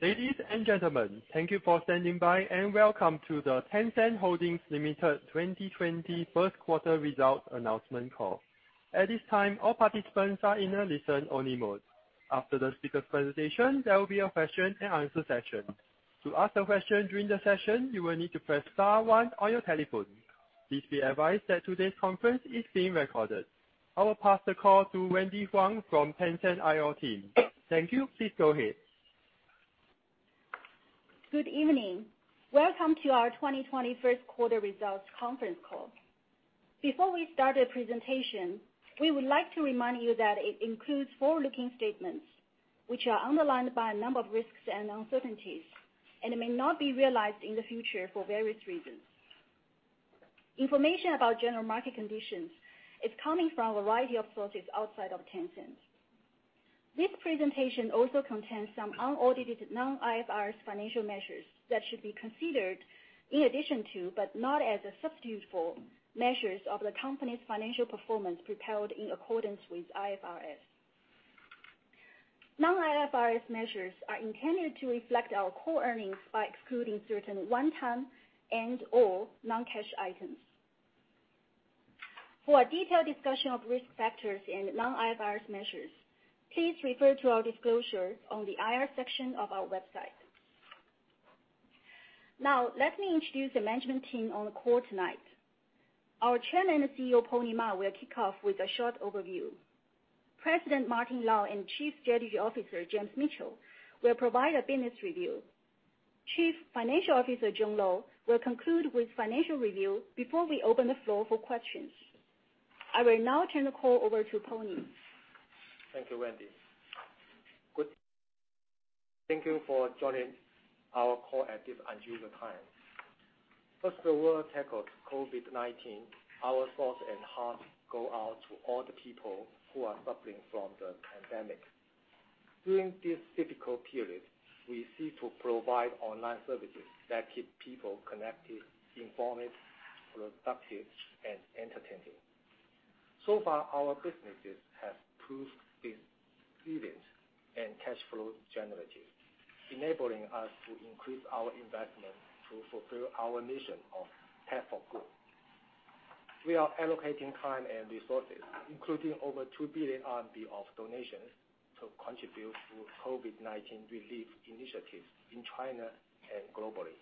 Ladies and gentlemen, thank you for standing by, and welcome to the Tencent Holdings Limited 2020 first quarter results announcement call. At this time, all participants are in a listen-only mode. After the speaker presentation, there will be a question and answer session. To ask a question during the session, you will need to press star one on your telephone. Please be advised that today's conference is being recorded. I will pass the call to Wendy Huang from Tencent IR team. Thank you. Please go ahead. Good evening. Welcome to our 2020 first quarter results conference call. Before we start the presentation, we would like to remind you that it includes forward-looking statements, which are underlined by a number of risks and uncertainties, and it may not be realized in the future for various reasons. Information about general market conditions is coming from a variety of sources outside of Tencent. This presentation also contains some unaudited non-IFRS financial measures that should be considered in addition to, but not as a substitute for, measures of the company's financial performance prepared in accordance with IFRS. Non-IFRS measures are intended to reflect our core earnings by excluding certain one-time and/or non-cash items. For a detailed discussion of risk factors and non-IFRS measures, please refer to our disclosure on the IR section of our website. Let me introduce the management team on the call tonight. Our Chairman and CEO, Pony Ma, will kick off with a short overview. President Martin Lau and Chief Strategy Officer James Mitchell will provide a business review. Chief Financial Officer John Lo will conclude with financial review before we open the floor for questions. I will now turn the call over to Pony. Thank you, Wendy. Thank you for joining our call at this unusual time. As the world tackles COVID-19, our thoughts and heart go out to all the people who are suffering from the pandemic. During this difficult period, we seek to provide online services that keep people connected, informed, productive, and entertained. Far, our businesses have proved resilient and cash flow generative, enabling us to increase our investment to fulfill our mission of tech for good. We are allocating time and resources, including over 2 billion RMB of donations to contribute to COVID-19 relief initiatives in China and globally.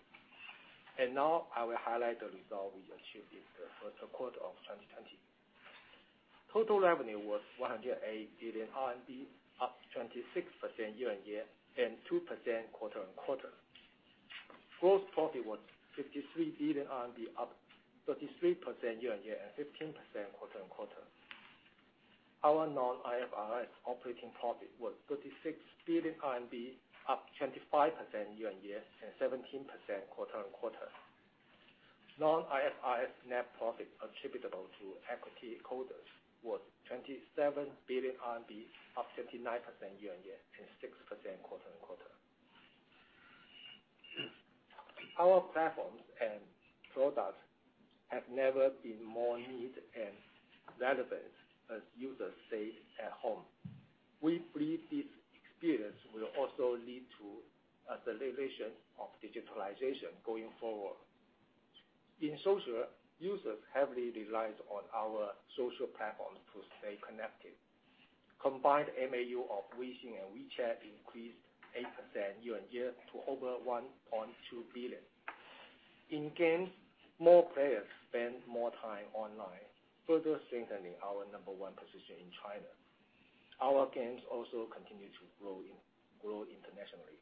Now, I will highlight the result we achieved in the first quarter of 2020. Total revenue was 108 billion RMB, up 26% year-on-year, and 2% quarter-on-quarter. Gross profit was 53 billion, up 33% year-on-year and 15% quarter-on-quarter. Our non-IFRS operating profit was 36 billion RMB, up 25% year-on-year and 17% quarter-on-quarter. Non-IFRS net profit attributable to equity holders was 27 billion RMB, up 39% year-on-year and 6% quarter-on-quarter. Our platforms and products have never been more needed and relevant as users stay at home. We believe this experience will also lead to acceleration of digitalization going forward. In social, users heavily relied on our social platforms to stay connected. Combined MAU of Weixin and WeChat increased 8% year-on-year to over 1.2 billion. In games, more players spend more time online, further strengthening our number one position in China. Our games also continue to grow internationally.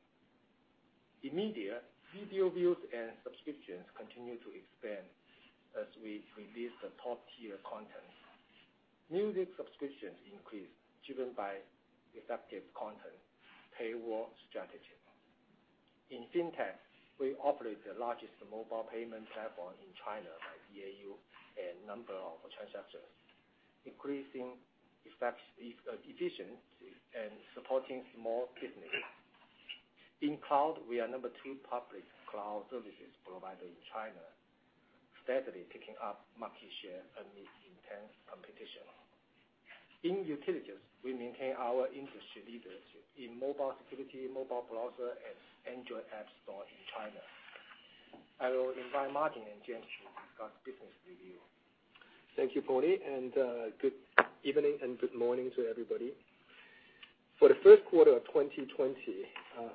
In media, video views and subscriptions continue to expand as we release the top-tier content. Music subscriptions increased, driven by effective content paywall strategy. In fintech, we operate the largest mobile payment platform in China by DAU and number of transactions, increasing efficiency and supporting small business. In cloud, we are number 2 public cloud services provider in China, steadily picking up market share amid intense competition. In utilities, we maintain our industry leadership in mobile security, mobile browser, and Android app store in China. I will invite Martin and James to discuss business review. Thank you, Pony, good evening and good morning to everybody. For the first quarter of 2020,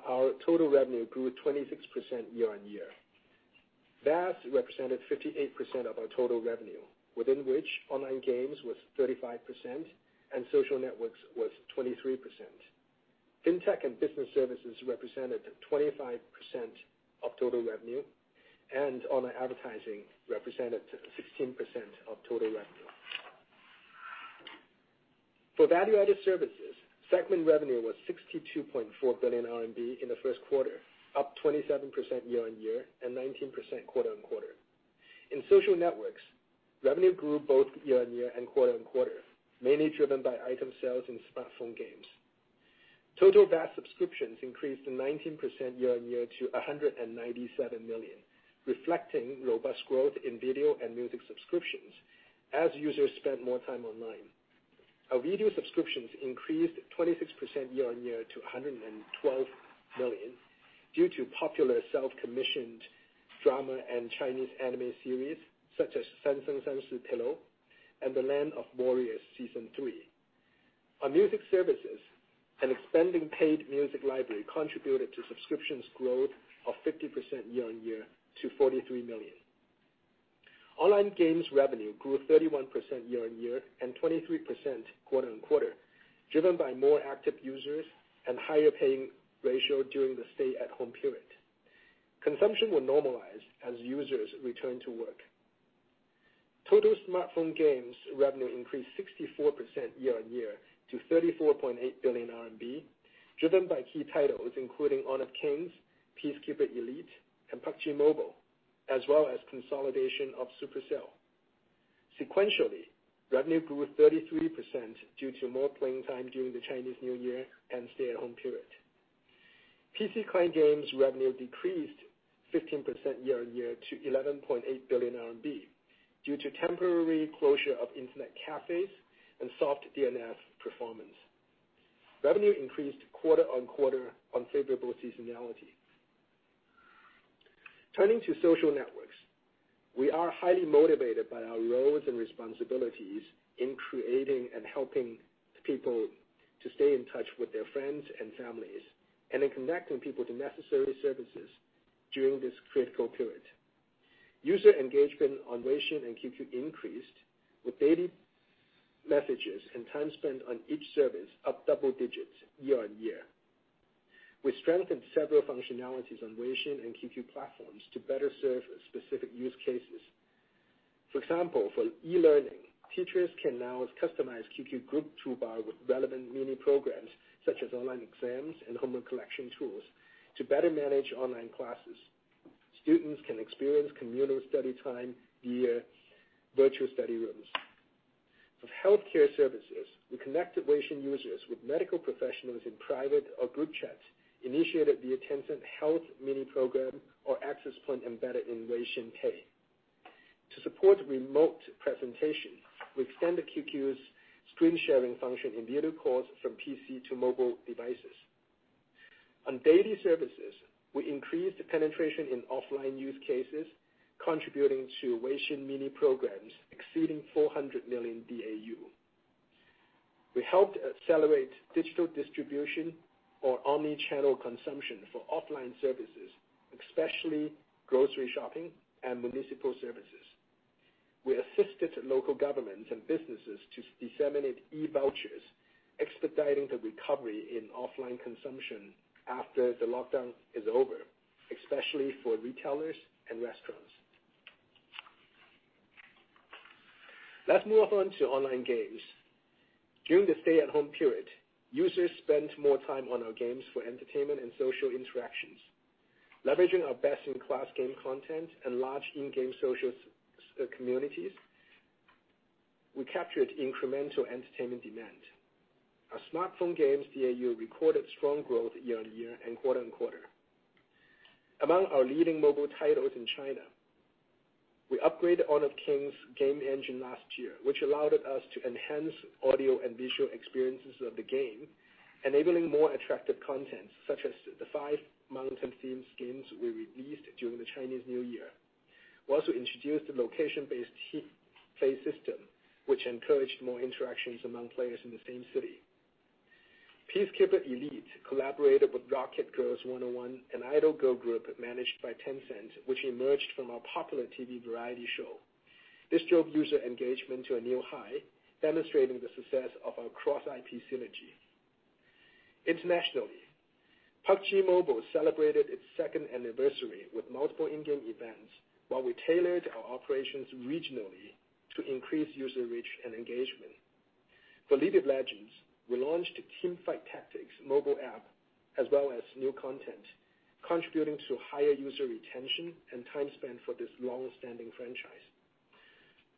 our total revenue grew 26% year-on-year. VAS represented 58% of our total revenue, within which online games was 35% and social networks was 23%. Fintech and business services represented 25% of total revenue, online advertising represented 16% of total revenue. For value-added services, segment revenue was 62.4 billion RMB in the first quarter, up 27% year-on-year and 19% quarter-on-quarter. In social networks, revenue grew both year-on-year and quarter-on-quarter, mainly driven by item sales in smartphone games. Total VAS subscriptions increased 19% year-on-year to 197 million, reflecting robust growth in video and music subscriptions. As users spend more time online, our video subscriptions increased 26% year-on-year to 112 million due to popular self-commissioned drama and Chinese anime series such as Three Lives Three Worlds, The Pillow Book and The Land of Warriors, season three. Our music services and expanding paid music library contributed to subscriptions growth of 50% year-on-year to 43 million. Online games revenue grew 31% year-on-year and 23% quarter-on-quarter, driven by more active users and higher paying ratio during the stay-at-home period. Consumption will normalize as users return to work. Total smartphone games revenue increased 64% year-on-year to 34.8 billion RMB, driven by key titles including "Honor of Kings," "Peacekeeper Elite," and "PUBG Mobile," as well as consolidation of Supercell. Sequentially, revenue grew 33% due to more playing time during the Chinese New Year and stay-at-home period. PC client games revenue decreased 15% year-on-year to 11.8 billion RMB due to temporary closure of internet cafes and soft DNF performance. Revenue increased quarter-on-quarter on favorable seasonality. Turning to social networks. We are highly motivated by our roles and responsibilities in creating and helping people to stay in touch with their friends and families, and in connecting people to necessary services during this critical period. User engagement on Weixin and QQ increased, with daily messages and time spent on each service up double digits year-on-year. We strengthened several functionalities on Weixin and QQ platforms to better serve specific use cases. For example, for e-learning, teachers can now customize QQ group toolbar with relevant Mini Programs such as online exams and homework collection tools to better manage online classes. Students can experience communal study time via virtual study rooms. For healthcare services, we connected Weixin users with medical professionals in private or group chats initiated via Tencent Health Mini Program or access point embedded in Weixin Pay. To support remote presentation, we extended QQ's screen sharing function in video calls from PC to mobile devices. On daily services, we increased penetration in offline use cases, contributing to Weixin Mini Programs exceeding 400 million DAU. We helped accelerate digital distribution or omni-channel consumption for offline services, especially grocery shopping and municipal services. We assisted local governments and businesses to disseminate e-vouchers, expediting the recovery in offline consumption after the lockdown is over, especially for retailers and restaurants. Let's move on to online games. During the stay-at-home period, users spent more time on our games for entertainment and social interactions. Leveraging our best-in-class game content and large in-game social communities, we captured incremental entertainment demand. Our smartphone games DAU recorded strong growth year-on-year and quarter-on-quarter. Among our leading mobile titles in China, we upgraded Honor of Kings' game engine last year, which allowed us to enhance audio and visual experiences of the game, enabling more attractive content such as the Five Mountains theme skins we released during the Chinese New Year. We also introduced the location-based team play system, which encouraged more interactions among players in the same city. Peacekeeper Elite collaborated with Rocket Girls 101, an idol girl group managed by Tencent, which emerged from our popular TV variety show. This drove user engagement to a new high, demonstrating the success of our cross IP synergy. Internationally, PUBG Mobile celebrated its second anniversary with multiple in-game events while we tailored our operations regionally to increase user reach and engagement. For "League of Legends," we launched Teamfight Tactics mobile app as well as new content contributing to higher user retention and time spent for this longstanding franchise.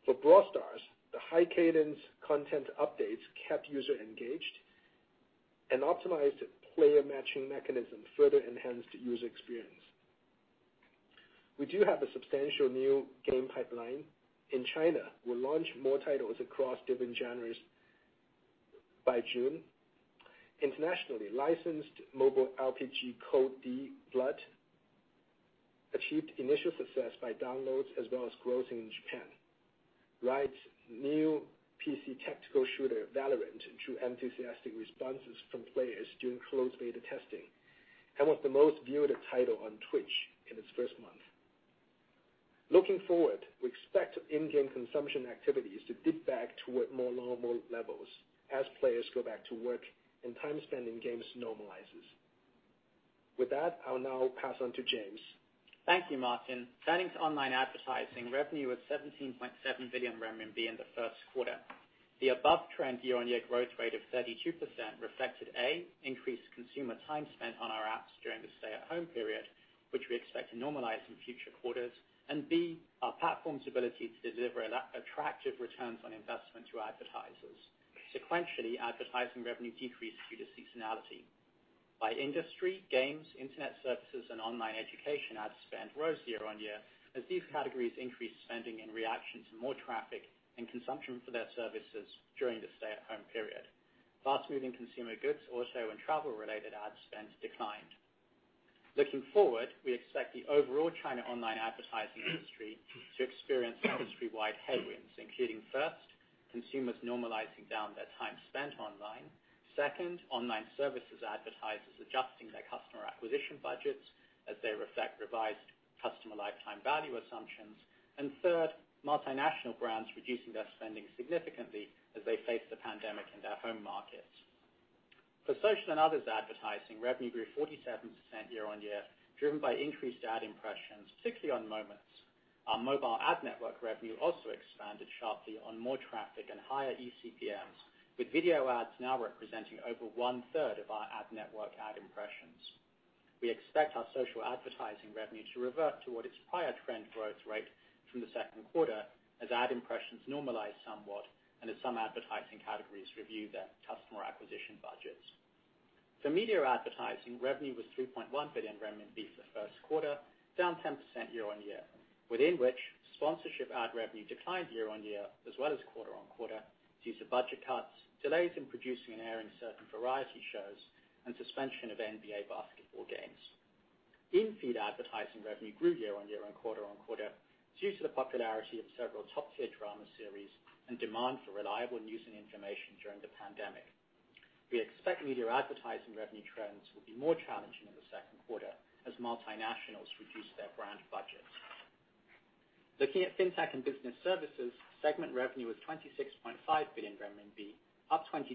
For "Brawl Stars," the high cadence content updates kept user engaged and optimized player matching mechanism further enhanced user experience. We do have a substantial new game pipeline. In China, we'll launch more titles across different genres by June. Internationally licensed mobile RPG, "Code: D-Blood," achieved initial success by downloads as well as growth in Japan. Riot's new PC tactical shooter, "Valorant," drew enthusiastic responses from players during closed beta testing and was the most viewed title on Twitch in its first month. Looking forward, we expect in-game consumption activities to dip back toward more normal levels as players go back to work and time spent in games normalizes. With that, I'll now pass on to James. Thank you, Martin. Turning to online advertising, revenue was 17.7 billion renminbi in the first quarter. The above-trend year-on-year growth rate of 32% reflected, A, increased consumer time spent on our apps during the stay-at-home period, which we expect to normalize in future quarters. B, our platform's ability to deliver attractive returns on investment to advertisers. Sequentially, advertising revenue decreased due to seasonality. By industry, games, internet services, and online education ad spend rose year-on-year as these categories increased spending in reaction to more traffic and consumption for their services during the stay-at-home period. Fast-moving consumer goods and travel-related ad spend declined. Looking forward, we expect the overall China online advertising industry to experience industry-wide headwinds, including, first, consumers normalizing down their time spent online. Second, online services advertisers adjusting their customer acquisition budgets as they reflect revised customer lifetime value assumptions. Third, multinational brands reducing their spending significantly as they face the pandemic in their home markets. For social and others advertising, revenue grew 47% year-on-year, driven by increased ad impressions, particularly on Moments. Our mobile ad network revenue also expanded sharply on more traffic and higher ECPMs, with video ads now representing over one-third of our ad network ad impressions. We expect our social advertising revenue to revert to what its prior trend growth rate from the second quarter as ad impressions normalize somewhat and as some advertising categories review their customer acquisition budgets. For media advertising, revenue was 3.1 billion for the first quarter, down 10% year-on-year, within which sponsorship ad revenue declined year-on-year as well as quarter-on-quarter due to budget cuts, delays in producing and airing certain variety shows, and suspension of NBA basketball games. In-feed advertising revenue grew year-on-year and quarter-on-quarter due to the popularity of several top-tier drama series and demand for reliable news and information during the pandemic. We expect media advertising revenue trends will be more challenging in the second quarter as multinationals reduce their brand budgets. Looking at Fintech and business services, segment revenue was 26.5 billion renminbi, up 22%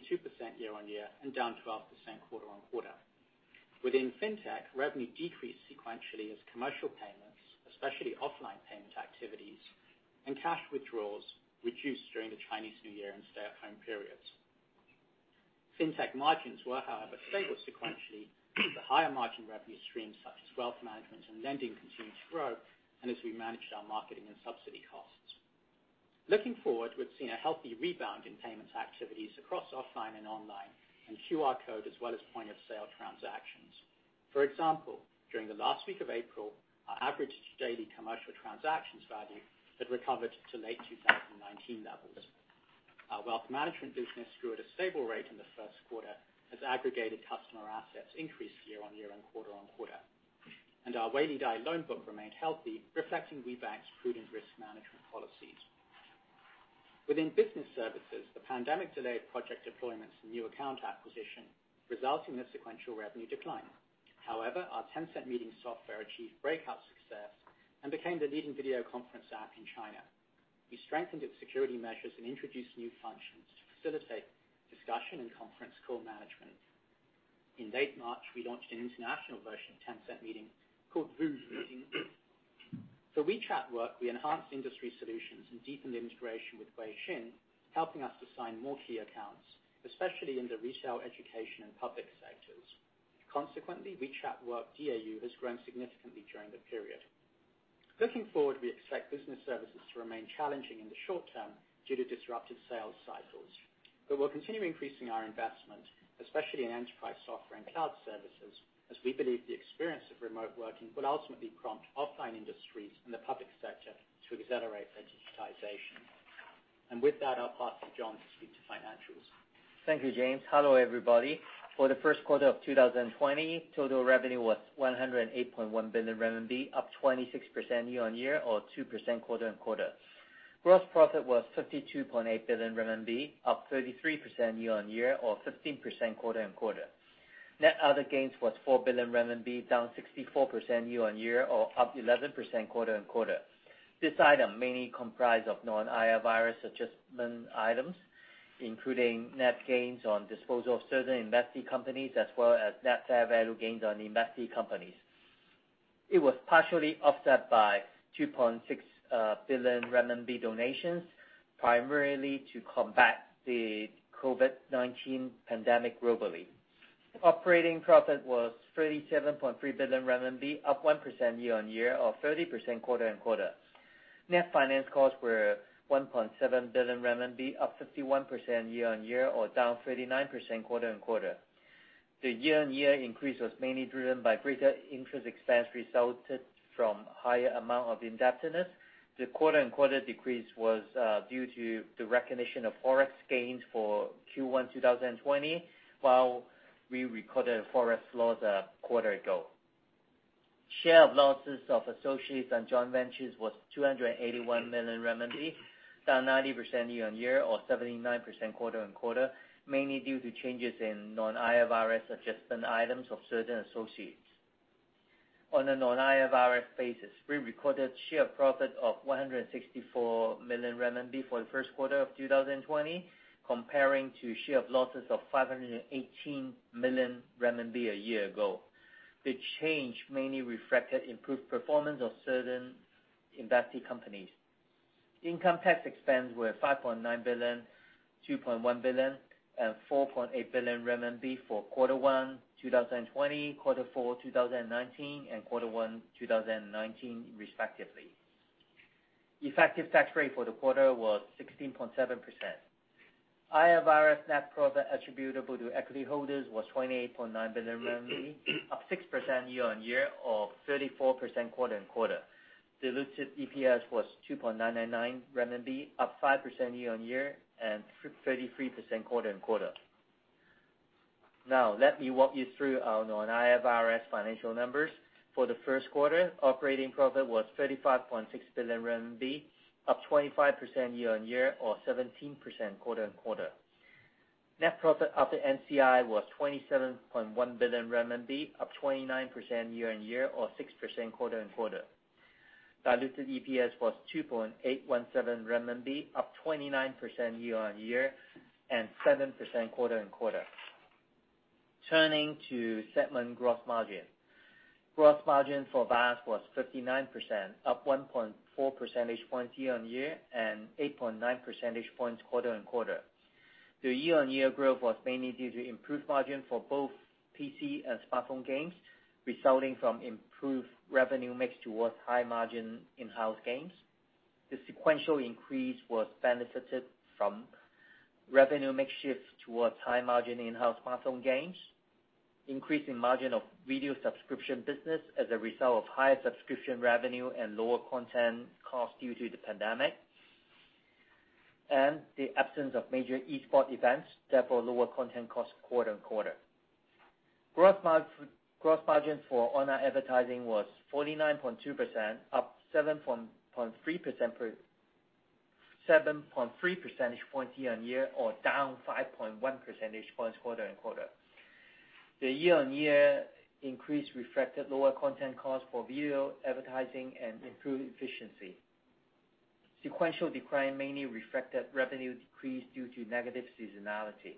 year-on-year and down 12% quarter-on-quarter. Within Fintech, revenue decreased sequentially as commercial payments, especially offline payment activities and cash withdrawals, reduced during the Chinese New Year and stay-at-home periods. Fintech margins were, however, stable sequentially as the higher margin revenue streams such as wealth management and lending continued to grow, as we managed our marketing and subsidy costs. Looking forward, we've seen a healthy rebound in payments activities across offline and online, and QR code as well as point-of-sale transactions. For example, during the last week of April, our average daily commercial transactions value had recovered to late 2019 levels. Our wealth management business grew at a stable rate in the first quarter as aggregated customer assets increased year-on-year and quarter-on-quarter. Our Weilidai loan book remained healthy, reflecting WeBank's prudent risk management policies. Within business services, the pandemic delayed project deployments and new account acquisition, resulting in a sequential revenue decline. Our Tencent Meeting software achieved breakout success and became the leading video conference app in China. We strengthened its security measures and introduced new functions to facilitate discussion and conference call management. In late March, we launched an international version of Tencent Meeting called VooV Meeting. For WeChat Work, we enhanced industry solutions and deepened integration with Weixin, helping us to sign more key accounts, especially in the retail, education, and public sectors. Consequently, WeChat Work DAU has grown significantly during the period. Looking forward, we expect business services to remain challenging in the short term due to disrupted sales cycles. We'll continue increasing our investment, especially in enterprise software and cloud services, as we believe the experience of remote working will ultimately prompt offline industries and the public sector to accelerate their digitization. And with that, I'll pass to John to speak to financials. Thank you, James. Hello, everybody. For the first quarter of 2020, total revenue was 108.1 billion RMB, up 26% year-on-year or 2% quarter-on-quarter. Gross profit was 52.8 billion RMB, up 33% year-on-year or 15% quarter-on-quarter. Net other gains was 4 billion RMB, down 64% year-on-year or up 11% quarter-on-quarter. This item mainly comprised of non-IFRS adjustment items, including net gains on disposal of certain investee companies, as well as net fair value gains on investee companies. It was partially offset by 2.6 billion renminbi donations, primarily to combat the COVID-19 pandemic globally. Operating profit was 37.3 billion RMB, up 1% year-on-year or 30% quarter-on-quarter. Net finance costs were 1.7 billion RMB, up 51% year-on-year or down 39% quarter-on-quarter. The year-on-year increase was mainly driven by greater interest expense resulted from higher amount of indebtedness. The quarter-on-quarter decrease was due to the recognition of Forex gains for Q1 2020, while we recorded a Forex loss a quarter ago. Share of losses of associates and joint ventures was 281 million renminbi, down 90% year-on-year or 79% quarter-on-quarter, mainly due to changes in non-IFRS adjustment items of certain associates. On a non-IFRS basis, we recorded share profit of 164 million RMB for the first quarter of 2020, comparing to share of losses of 518 million RMB a year ago. The change mainly reflected improved performance of certain investee companies. Income tax expense were 5.9 billion, 2.1 billion, and 4.8 billion renminbi for quarter one 2020, quarter four 2019, and quarter one 2019 respectively. Effective tax rate for the quarter was 16.7%. IFRS net profit attributable to equity holders was 28.9 billion, up 6% year-on-year or 34% quarter-on-quarter. Diluted EPS was 2.999 renminbi, up 5% year-on-year and 33% quarter-on-quarter. Let me walk you through our non-IFRS financial numbers. For the first quarter, operating profit was 35.6 billion RMB, up 25% year-on-year or 17% quarter-on-quarter. Net profit after NCI was 27.1 billion RMB, up 29% year-on-year or 6% quarter-on-quarter. Diluted EPS was 2.817 renminbi, up 29% year-on-year and 7% quarter-on-quarter. Turning to segment gross margin. Gross margin for VAS was 59%, up 1.4 percentage points year-on-year and 8.9 percentage points quarter-on-quarter. The year-on-year growth was mainly due to improved margin for both PC and smartphone games, resulting from improved revenue mix towards high-margin in-house games. The sequential increase was benefited from revenue mix shift towards high margin in-house smartphone games, increase in margin of video subscription business as a result of higher subscription revenue and lower content cost due to the pandemic, and the absence of major e-sport events, therefore lower content cost quarter-on-quarter. Gross margin for online advertising was 49.2%, up 7.3 percentage points year-on-year or down 5.1 percentage points quarter-on-quarter. The year-on-year increase reflected lower content cost for video advertising and improved efficiency. Sequential decline mainly reflected revenue decrease due to negative seasonality.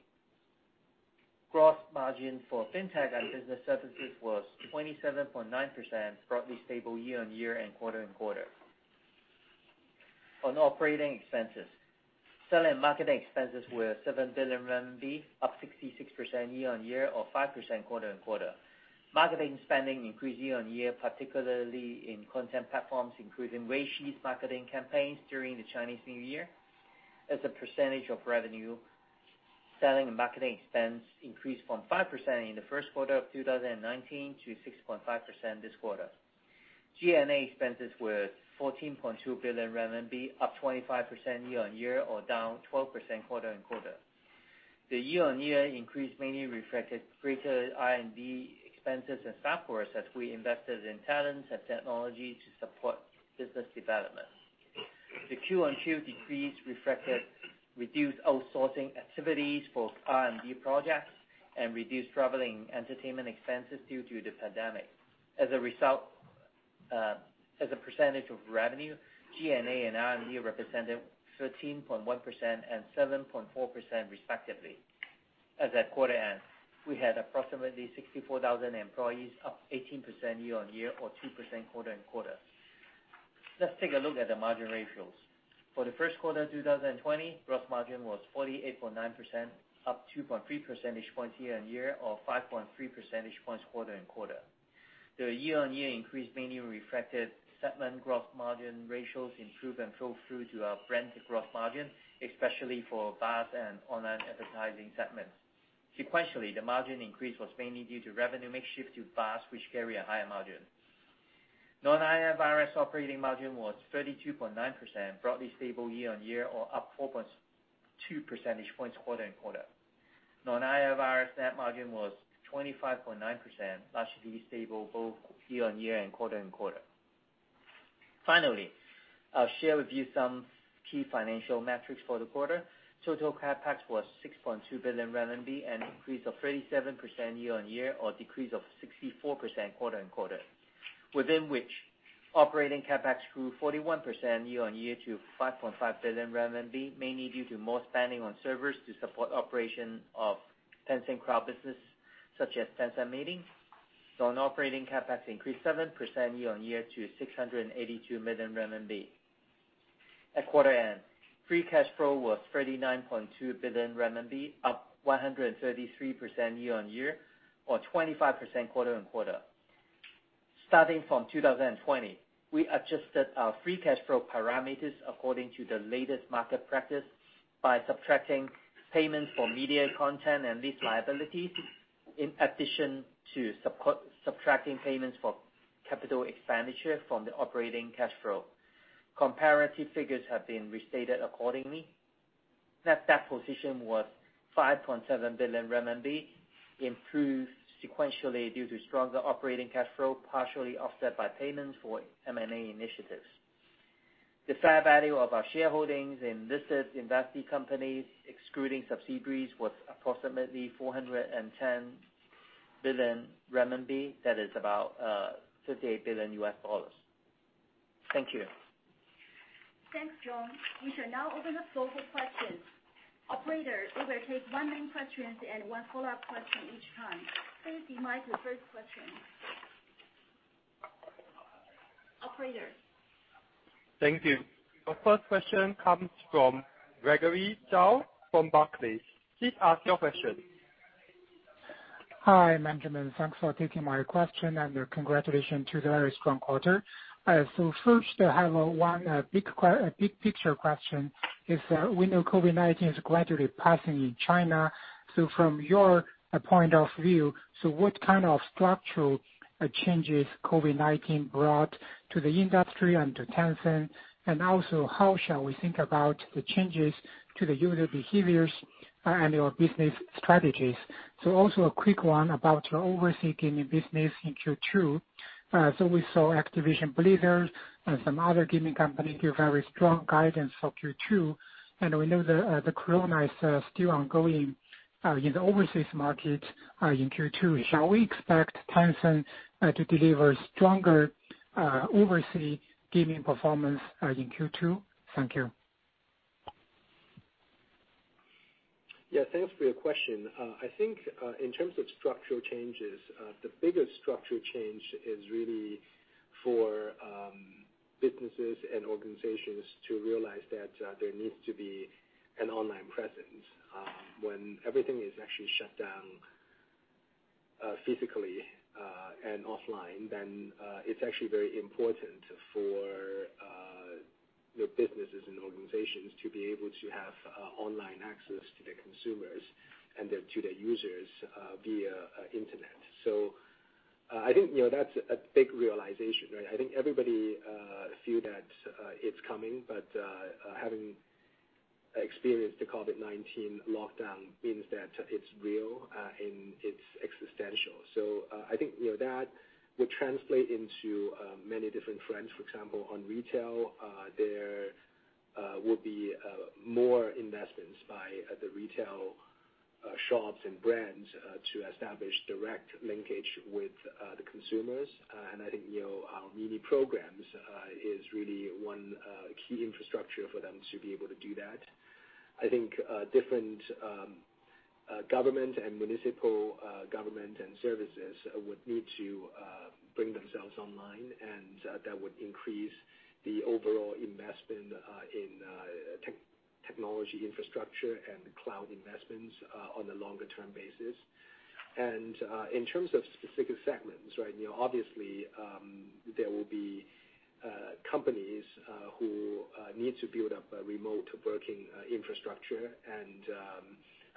Gross margin for Fintech and business services was 27.9%, broadly stable year-on-year and quarter-on-quarter. On operating expenses, selling and marketing expenses were 7 billion RMB, up 66% year-on-year or 5% quarter-on-quarter. Marketing spending increased year-on-year, particularly in content platforms, including Weishi's marketing campaigns during the Chinese New Year. As a percentage of revenue, selling and marketing expense increased from 5% in the first quarter of 2019 to 6.5% this quarter. G&A expenses were 14.2 billion RMB, up 25% year-on-year or down 12% quarter-on-quarter. The year-on-year increase mainly reflected greater R&D expenses and staff costs as we invested in talents and technology to support business development. The Q-on-Q decrease reflected reduced outsourcing activities for R&D projects and reduced traveling entertainment expenses due to the pandemic. As a percentage of revenue, G&A and R&D represented 13.1% and 7.4% respectively. As at quarter end, we had approximately 64,000 employees, up 18% year-on-year or 2% quarter-on-quarter. Let's take a look at the margin ratios. For the first quarter 2020, gross margin was 48.9%, up 2.3 percentage points year-on-year or 5.3 percentage points quarter-on-quarter. The year-on-year increase mainly reflected segment gross margin ratios improved and flow through to our blended gross margin, especially for VAS and online advertising segments. Sequentially, the margin increase was mainly due to revenue mix shift to VAS, which carry a higher margin. Non-IFRS operating margin was 32.9%, broadly stable year-on-year or up 4.2 percentage points quarter-on-quarter. Non-IFRS net margin was 25.9%, largely stable both year-on-year and quarter-on-quarter. Finally, I'll share with you some key financial metrics for the quarter. Total CapEx was 6.2 billion RMB, an increase of 37% year-on-year or decrease of 64% quarter-on-quarter, within which operating CapEx grew 41% year-on-year to 5.5 billion RMB, mainly due to more spending on servers to support operation of Tencent Cloud business such as Tencent Meeting. Non-operating CapEx increased 7% year-on-year to 682 million RMB. At quarter end, free cash flow was 39.2 billion RMB, up 133% year-on-year or 25% quarter-on-quarter. Starting from 2020, we adjusted our free cash flow parameters according to the latest market practice by subtracting payments for media content and lease liabilities, in addition to subtracting payments for capital expenditure from the operating cash flow. Comparative figures have been restated accordingly. Net debt position was 5.7 billion RMB, improved sequentially due to stronger operating cash flow, partially offset by payments for M&A initiatives. The fair value of our shareholdings in listed investee companies, excluding subsidiaries, was approximately 410 billion renminbi. That is about $58 billion. Thank you. Thanks, John. We shall now open up the floor for questions. Operator, we will take one main question and one follow-up question each time. Please be lined for first question. Operator? Thank you. Your first question comes from Gregory Zhao from Barclays. Please ask your question. Hi, management. Thanks for taking my question and congratulations on the very strong quarter. First, I have one big-picture question. We know COVID-19 is gradually passing in China. From your point of view, what kind of structural changes COVID-19 brought to the industry and to Tencent? Also, how shall we think about the changes to the user behaviors and your business strategies? Also a quick one about your overseas gaming business in Q2. We saw Activision Blizzard and some other gaming companies give very strong guidance for Q2, and we know the corona is still ongoing in the overseas market in Q2. Shall we expect Tencent to deliver stronger overseas gaming performance in Q2? Thank you. Yeah, thanks for your question. I think, in terms of structural changes, the biggest structural change is really for businesses and organizations to realize that there needs to be an online presence. When everything is actually shut down physically and offline, then it's actually very important for your businesses and organizations to be able to have online access to their consumers and to their users via internet. I think that's a big realization, right? I think everybody feel that it's coming, having experienced the COVID-19 lockdown means that it's real and it's existential. I think that will translate into many different trends. For example, on retail, there will be more investments by the retail shops and brands to establish direct linkage with the consumers. I think our Mini Programs is really one key infrastructure for them to be able to do that. I think different government and municipal government and services would need to bring themselves online, and that would increase the overall investment in technology infrastructure and cloud investments on a longer-term basis. In terms of specific segments, obviously, there will be companies who need to build up a remote working infrastructure, and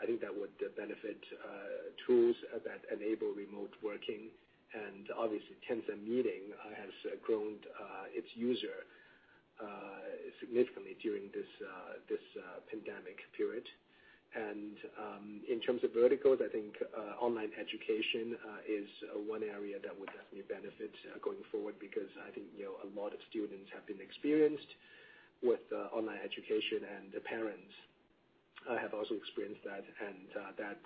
I think that would benefit tools that enable remote working. Obviously, Tencent Meeting has grown its user significantly during this pandemic period. In terms of verticals, I think online education is one area that would definitely benefit going forward because I think a lot of students have experienced online education, and the parents have also experienced that, and that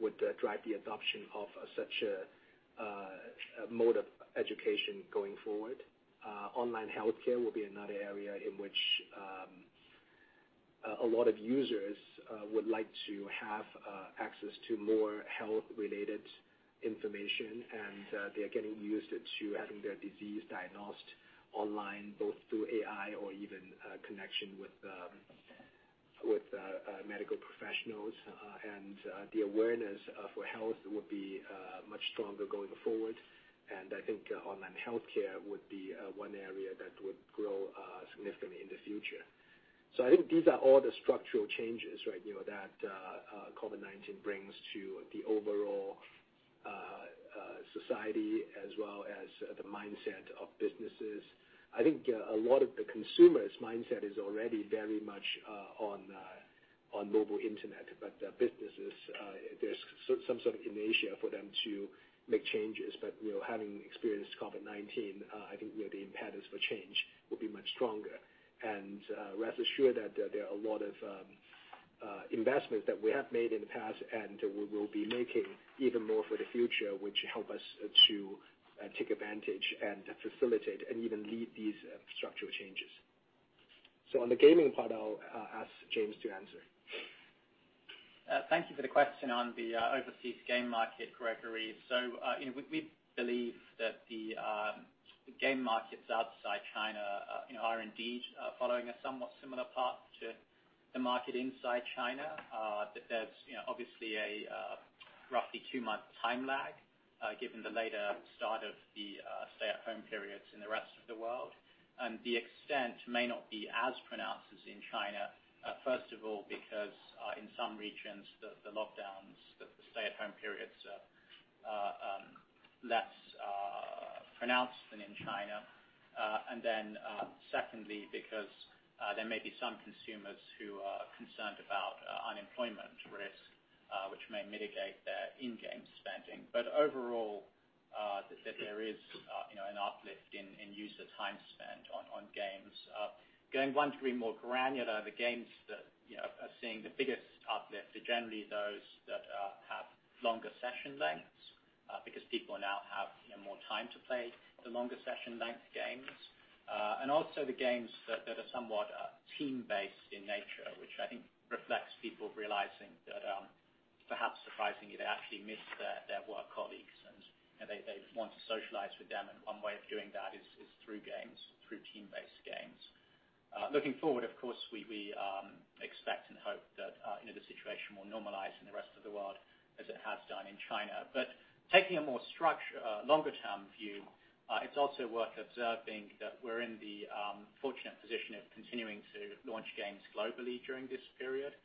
would drive the adoption of such a mode of education going forward. Online healthcare will be another area in which a lot of users would like to have access to more health-related information, and they are getting used to having their disease diagnosed online, both through AI or even connection with medical professionals. The awareness for health would be much stronger going forward. I think online healthcare would be one area that would grow significantly in the future. I think these are all the structural changes that COVID-19 brings to the overall society as well as the mindset of businesses. I think a lot of the consumers' mindset is already very much on mobile internet. Businesses, there's some sort of inertia for them to make changes. Having experienced COVID-19, I think the impetus for change will be much stronger. Rest assured that there are a lot of investments that we have made in the past, and we will be making even more for the future, which help us to take advantage and facilitate and even lead these structural changes. On the gaming part, I'll ask James to answer. Thank you for the question on the overseas game market, Gregory. We believe that the game markets outside China are indeed following a somewhat similar path to the market inside China. There's obviously a roughly two-month time lag, given the later start of the stay-at-home periods in the rest of the world. The extent may not be as pronounced as in China, first of all, because in some regions, the lockdowns, the stay-at-home periods, are less pronounced than in China. Secondly, because there may be some consumers who are concerned about unemployment risk, which may mitigate their in-game spending. Overall, there is an uplift in user time spent on games. Going one degree more granular, the games that are seeing the biggest uplift are generally those that have longer session lengths because people now have more time to play the longer session length games. Also the games that are somewhat team-based in nature, which I think reflects people realizing that, perhaps surprisingly, they actually miss their work colleagues. They want to socialize with them, and one way of doing that is through games, through team-based games. Looking forward, of course, we expect and hope that the situation will normalize in the rest of the world as it has done in China. Taking a more longer-term view, it's also worth observing that we're in the fortunate position of continuing to launch games globally during this period.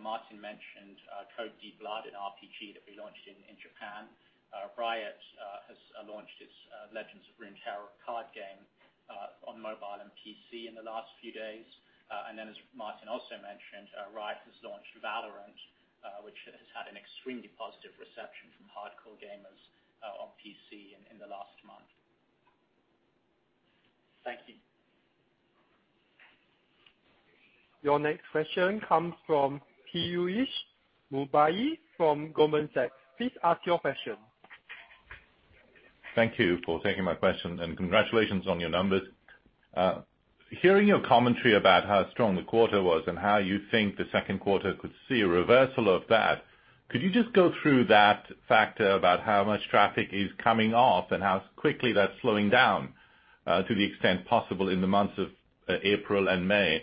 Martin mentioned Code: D-Blood, an RPG that we launched in Japan. Riot has launched its Legends of Runeterra card game on mobile and PC in the last few days. Then as Martin also mentioned, Riot has launched Valorant, which has had an extremely positive reception from hardcore gamers on PC in the last month. Thank you. Your next question comes from Piyush Mubayi from Goldman Sachs. Please ask your question. Thank you for taking my question. Congratulations on your numbers. Hearing your commentary about how strong the quarter was and how you think the second quarter could see a reversal of that, could you just go through that factor about how much traffic is coming off and how quickly that's slowing down to the extent possible in the months of April and May?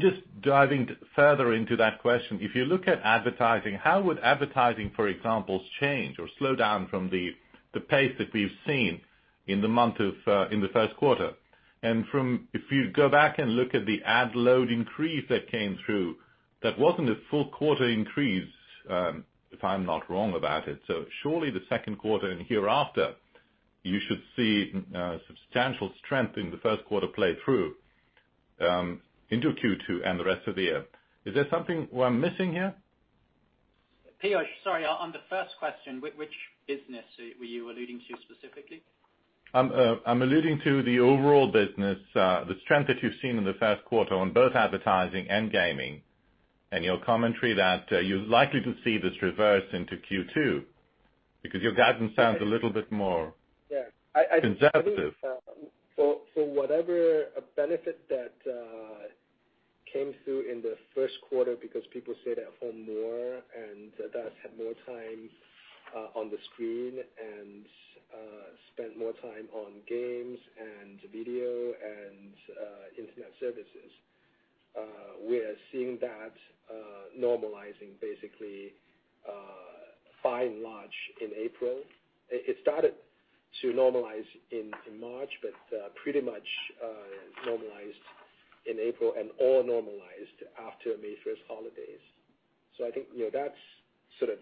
Just diving further into that question, if you look at advertising, how would advertising, for example, change or slow down from the pace that we've seen in the first quarter? If you go back and look at the ad load increase that came through, that wasn't a full quarter increase, if I'm not wrong about it. Surely the second quarter and hereafter, you should see substantial strength in the first quarter play through into Q2 and the rest of the year. Is there something we're missing here? Piyush, sorry. On the first question, which business were you alluding to specifically? I'm alluding to the overall business, the strength that you've seen in the first quarter on both advertising and gaming, and your commentary that you're likely to see this reverse into Q2. Your guidance sounds a little bit. Yeah conservative. Whatever benefit that came through in the first quarter because people stayed at home more and thus had more time on the screen and spent more time on games and video and internet services, we are seeing that normalizing basically by March, in April. It started to normalize in March, but pretty much normalized in April and all normalized after May 1st holidays. I think that's sort of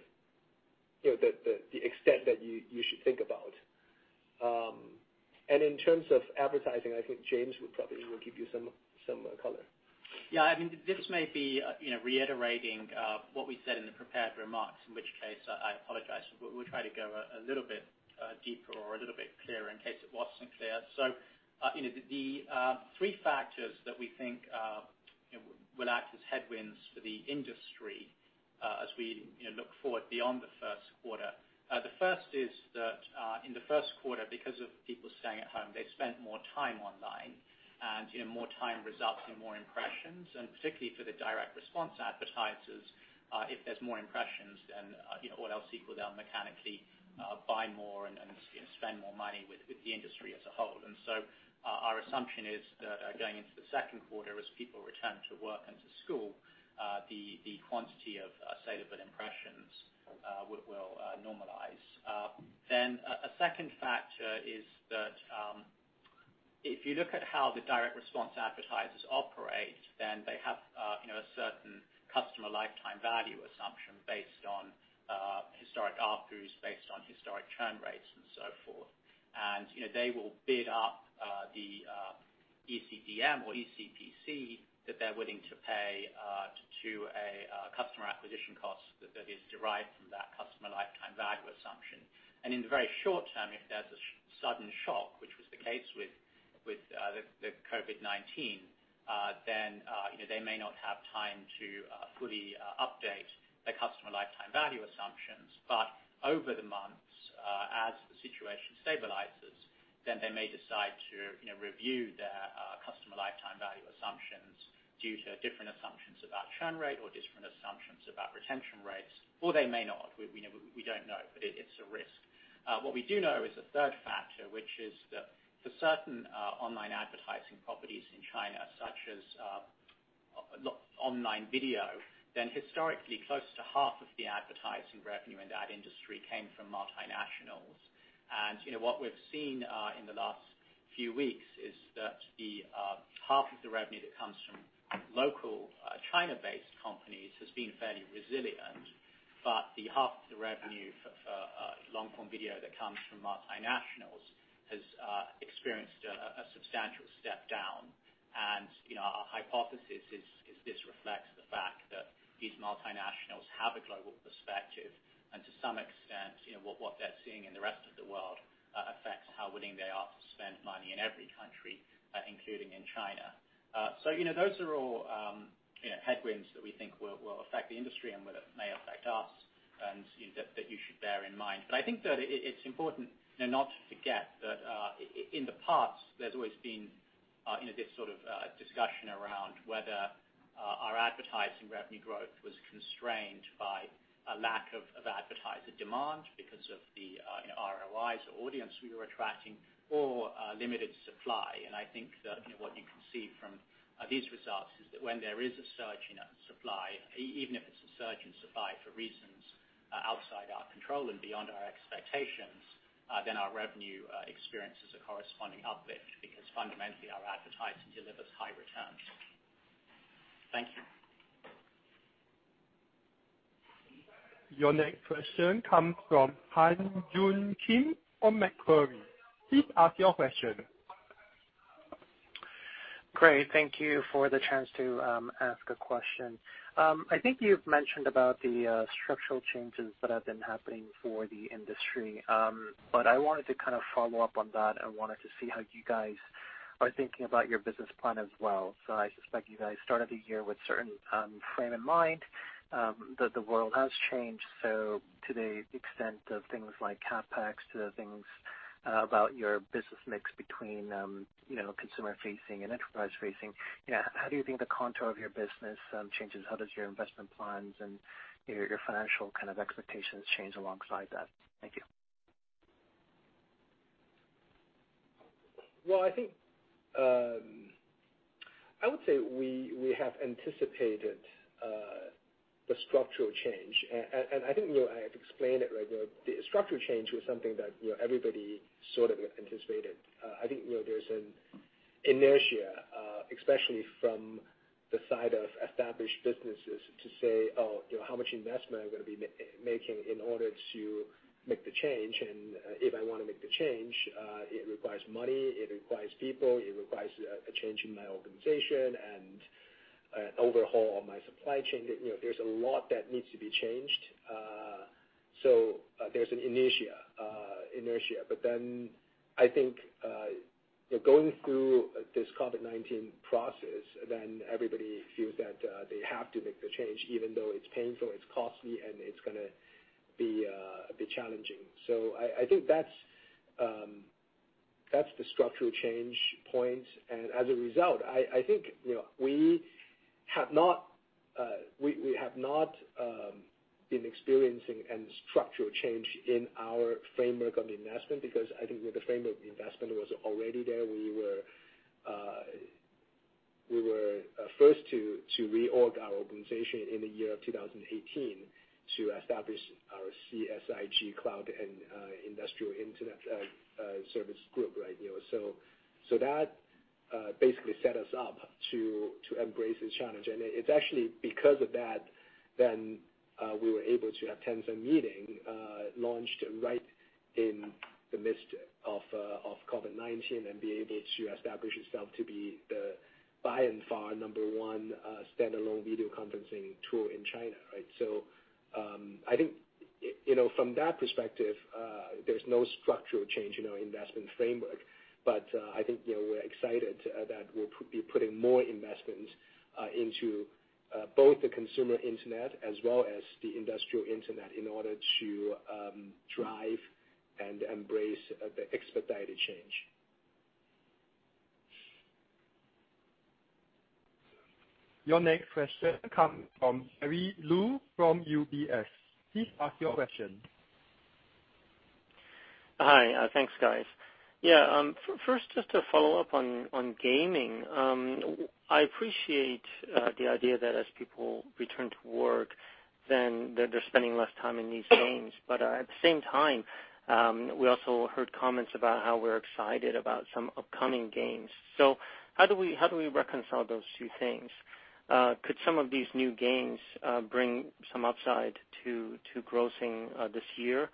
the extent that you should think about. In terms of advertising, I think James would probably give you some color. Yeah. This may be reiterating what we said in the prepared remarks, in which case, I apologize. We'll try to go a little bit deeper or a little bit clearer in case it wasn't clear. The three factors that we think will act as headwinds for the industry as we look forward beyond the first quarter. The first is that in the first quarter, because of people staying at home, they spent more time online, and more time results in more impressions, and particularly for the direct response advertisers, if there's more impressions, then all else equal, they'll mechanically buy more and spend more money with the industry as a whole. Our assumption is that going into the second quarter as people return to work and to school, the quantity of saleable impressions will normalize. A second factor is that if you look at how the direct response advertisers operate, then they have a certain customer lifetime value assumption based on historic offer, based on historic churn rates and so forth. They will bid up the eCPM or eCPC that they're willing to pay to a customer acquisition cost that is derived from that customer lifetime value assumption. In the very short term, if there's a sudden shock, which was the case with the COVID-19, they may not have time to fully update their customer lifetime value assumptions. Over the months, as the situation stabilizes, they may decide to review their customer lifetime value assumptions due to different assumptions about churn rate or different assumptions about retention rates, or they may not. We don't know, but it's a risk. What we do know is a third factor, which is that for certain online advertising properties in China, such as online video, historically close to half of the advertising revenue in that industry came from multinationals. What we've seen in the last few weeks is that the half of the revenue that comes from local China-based companies has been fairly resilient. The half of the revenue for long-form video that comes from multinationals has experienced a substantial step down. Our hypothesis is this reflects the fact that these multinationals have a global perspective, and to some extent, what they're seeing in the rest of the world affects how willing they are to spend money in every country, including in China. Those are all headwinds that we think will affect the industry and may affect us, and that you should bear in mind. I think that it's important not to forget that in the past, there's always been in this sort of discussion around whether our advertising revenue growth was constrained by a lack of advertiser demand because of the ROIs or audience we were attracting, or limited supply. I think that what you can see from these results is that when there is a surge in supply, even if it's a surge in supply for reasons outside our control and beyond our expectations, then our revenue experiences a corresponding uplift, because fundamentally, our advertising delivers high returns. Thank you. Your next question comes from Han Joon Kim on Macquarie. Please ask your question. Great. Thank you for the chance to ask a question. I think you've mentioned about the structural changes that have been happening for the industry. I wanted to kind of follow up on that and wanted to see how you guys are thinking about your business plan as well. I suspect you guys started the year with a certain frame in mind, but the world has changed. To the extent of things like CapEx to things about your business mix between consumer-facing and enterprise-facing, how do you think the contour of your business changes? How does your investment plans and your financial kind of expectations change alongside that? Thank you. Well, I would say we have anticipated the structural change, and I think I have explained it right. The structural change was something that everybody sort of anticipated. I think there's an inertia, especially from the side of established businesses to say, "Oh, how much investment I'm going to be making in order to make the change? And if I want to make the change, it requires money, it requires people, it requires a change in my organization and an overhaul of my supply chain." There's a lot that needs to be changed. There's an inertia. I think going through this COVID-19 process, then everybody feels that they have to make the change, even though it's painful, it's costly, and it's going to be challenging. I think that's the structural change point. As a result, we have not been experiencing any structural change in our framework of investment because the framework of the investment was already there. We were first to reorg our organization in the year of 2018 to establish our CSIG, Cloud and Industrial Internet Service group. That basically set us up to embrace this challenge. It's actually because of that, we were able to have Tencent Meeting launched right in the midst of COVID-19 and be able to establish itself to be the by and far number 1 standalone video conferencing tool in China. From that perspective, there's no structural change in our investment framework. We're excited that we'll be putting more investments into both the consumer internet as well as the industrial internet in order to drive and embrace the expedited change. Your next question comes from Jerry Liu from UBS. Please ask your question. Hi. Thanks, guys. First, just to follow up on gaming. I appreciate the idea that as people return to work, then they're spending less time in these games. At the same time, we also heard comments about how we're excited about some upcoming games. How do we reconcile those two things? Could some of these new games bring some upside to grossing this year?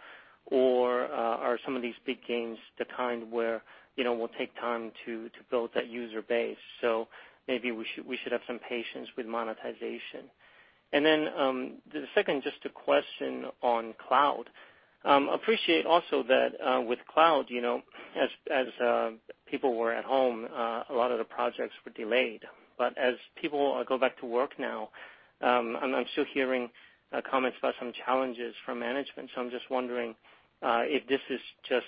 Are some of these big games the kind where will take time to build that user base, so maybe we should have some patience with monetization? The second, just a question on cloud. Appreciate also that with cloud, as people were at home, a lot of the projects were delayed. As people go back to work now, I'm still hearing comments about some challenges from management. I'm just wondering if this is just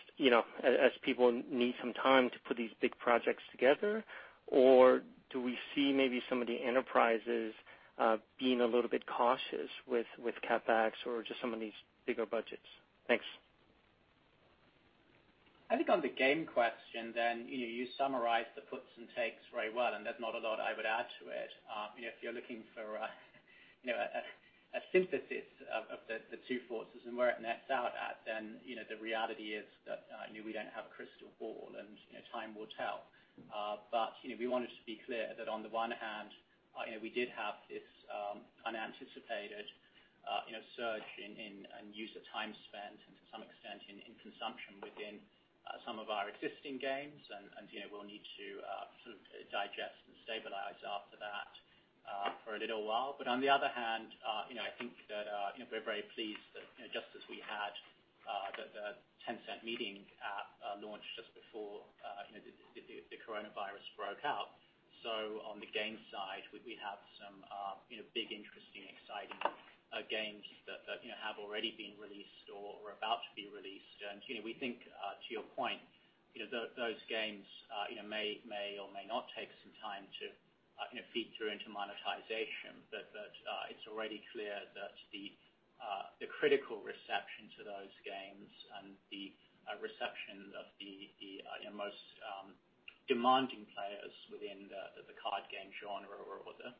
as people need some time to put these big projects together, or do we see maybe some of the enterprises being a little bit cautious with CapEx or just some of these bigger budgets? Thanks. I think on the game question, you summarized the puts and takes very well. There's not a lot I would add to it. If you're looking for a synthesis of the two forces and where it nets out at, the reality is that we don't have a crystal ball. Time will tell. We wanted to be clear that on the one hand, we did have this unanticipated surge in user time spent and to some extent in consumption within some of our existing games. We'll need to sort of digest and stabilize after that for a little while. On the other hand, I think that we're very pleased that just as we had the Tencent Meeting app launch just before the coronavirus broke out. On the games side, we have some big, interesting, exciting games that have already been released or are about to be released. We think, to your point, those games may or may not take some time to feed through into monetization. It's already clear that the critical reception to those games and the reception of the most demanding players within the card game genre or the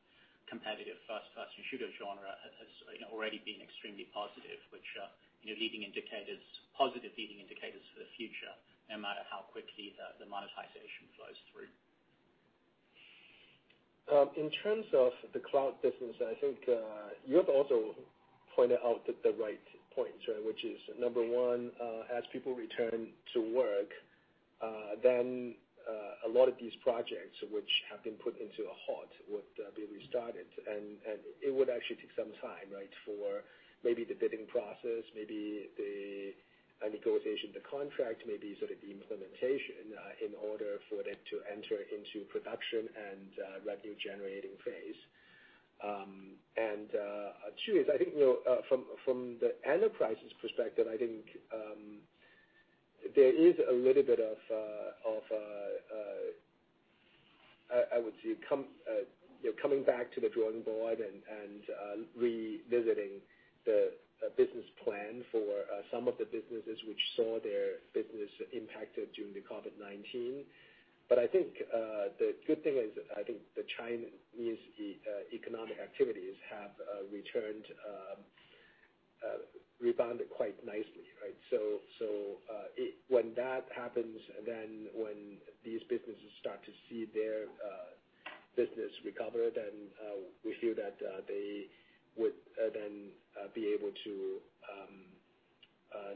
competitive first-person shooter genre has already been extremely positive, which are positive leading indicators for the future, no matter how quickly the monetization flows through. In terms of the cloud business, I think you have also pointed out the right points, which is, number one, as people return to work, then a lot of these projects which have been put into a halt would be restarted, and it would actually take some time for maybe the bidding process, maybe the negotiation of the contract, maybe sort of the implementation in order for that to enter into production and revenue-generating phase. Two is, I think from the enterprise's perspective, I think there is a little bit of, I would say, coming back to the drawing board and revisiting the business plan for some of the businesses which saw their business impacted during the COVID-19. I think the good thing is, I think the Chinese economic activities have rebounded quite nicely, right? When that happens, when these businesses start to see their business recover, we feel that they would then be able to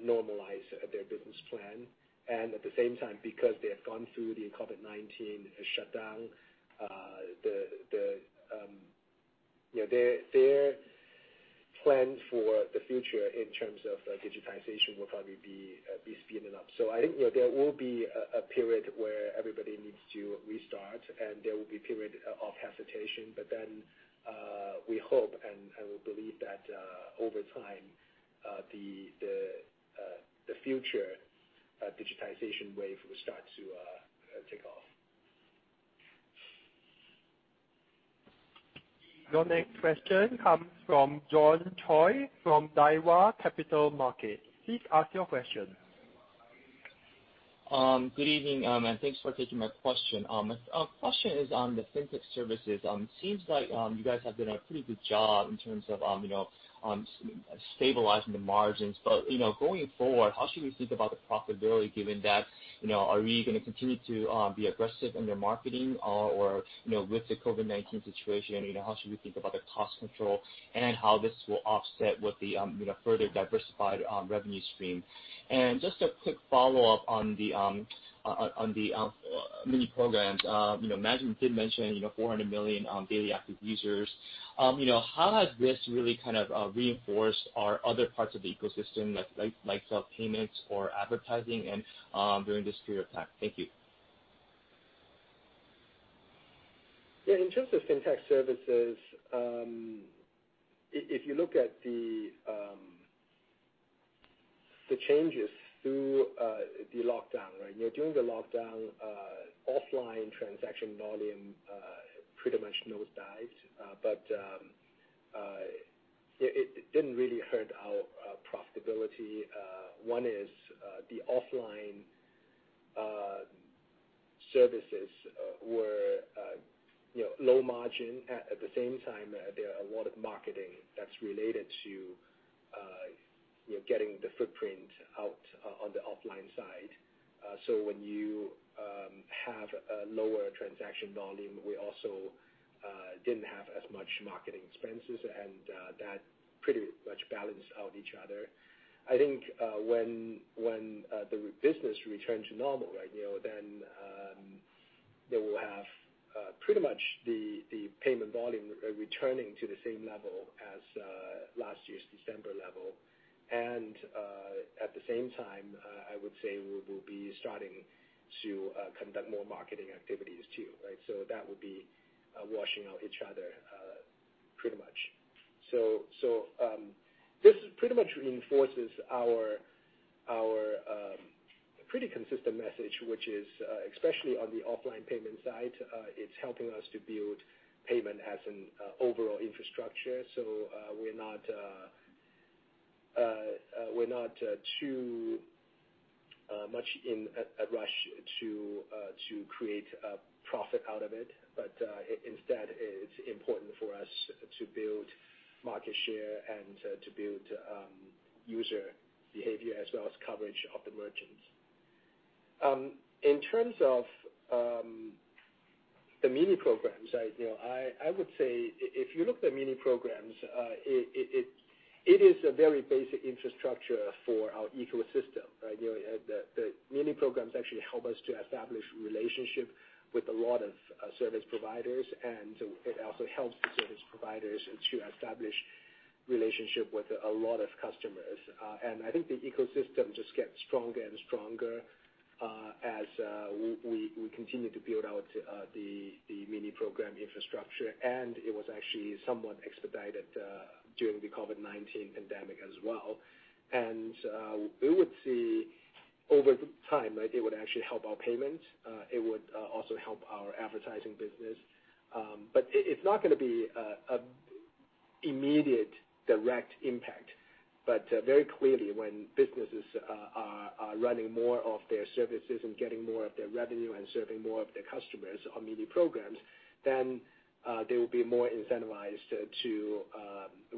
normalize their business plan. At the same time, because they have gone through the COVID-19 shutdown, their plan for the future in terms of digitization will probably be speeding up. I think there will be a period where everybody needs to restart, and there will be a period of hesitation. We hope, and we believe that over time, the future digitization wave will start to take off. Your next question comes from John Choi from Daiwa Capital Markets. Please ask your question. Good evening. Thanks for taking my question. Question is on the Fintech services. It seems like you guys have done a pretty good job in terms of stabilizing the margins. Going forward, how should we think about the profitability, given that are we going to continue to be aggressive in your marketing? With the COVID-19 situation, how should we think about the cost control and how this will offset with the further diversified revenue stream? Just a quick follow-up on the Mini Programs. Management did mention 400 million daily active users. How has this really kind of reinforced our other parts of the ecosystem like cloud payments or advertising during this period of time? Thank you. Yeah. In terms of Fintech services, if you look at the changes through the lockdown. During the lockdown, offline transaction volume pretty much nosedived. It didn't really hurt our profitability. One is the offline services were low margin. At the same time, there are a lot of marketing that's related to getting the footprint out on the offline side. When you have a lower transaction volume, we also didn't have as much marketing expenses, and that pretty much balanced out each other. I think when the business returned to normal, then they will have pretty much the payment volume returning to the same level as last year's December level. At the same time, I would say we will be starting to conduct more marketing activities, too. That would be washing out each other pretty much. This pretty much reinforces our pretty consistent message, which is especially on the offline payment side it's helping us to build payment as an overall infrastructure. We're not too much in a rush to create a profit out of it. Instead, it's important for us to build market share and to build user behavior as well as coverage of the merchants. In terms of the Mini Programs, I would say if you look at Mini Programs it is a very basic infrastructure for our ecosystem. The Mini Programs actually help us to establish relationship with a lot of service providers, and it also helps the service providers to establish relationship with a lot of customers. I think the ecosystem just gets stronger and stronger as we continue to build out the Mini Program infrastructure, and it was actually somewhat expedited during the COVID-19 pandemic as well. We would see over time, it would actually help our payment. It would also help our advertising business. It's not going to be immediate direct impact. Very clearly, when businesses are running more of their services and getting more of their revenue and serving more of their customers on Mini Programs, then they will be more incentivized to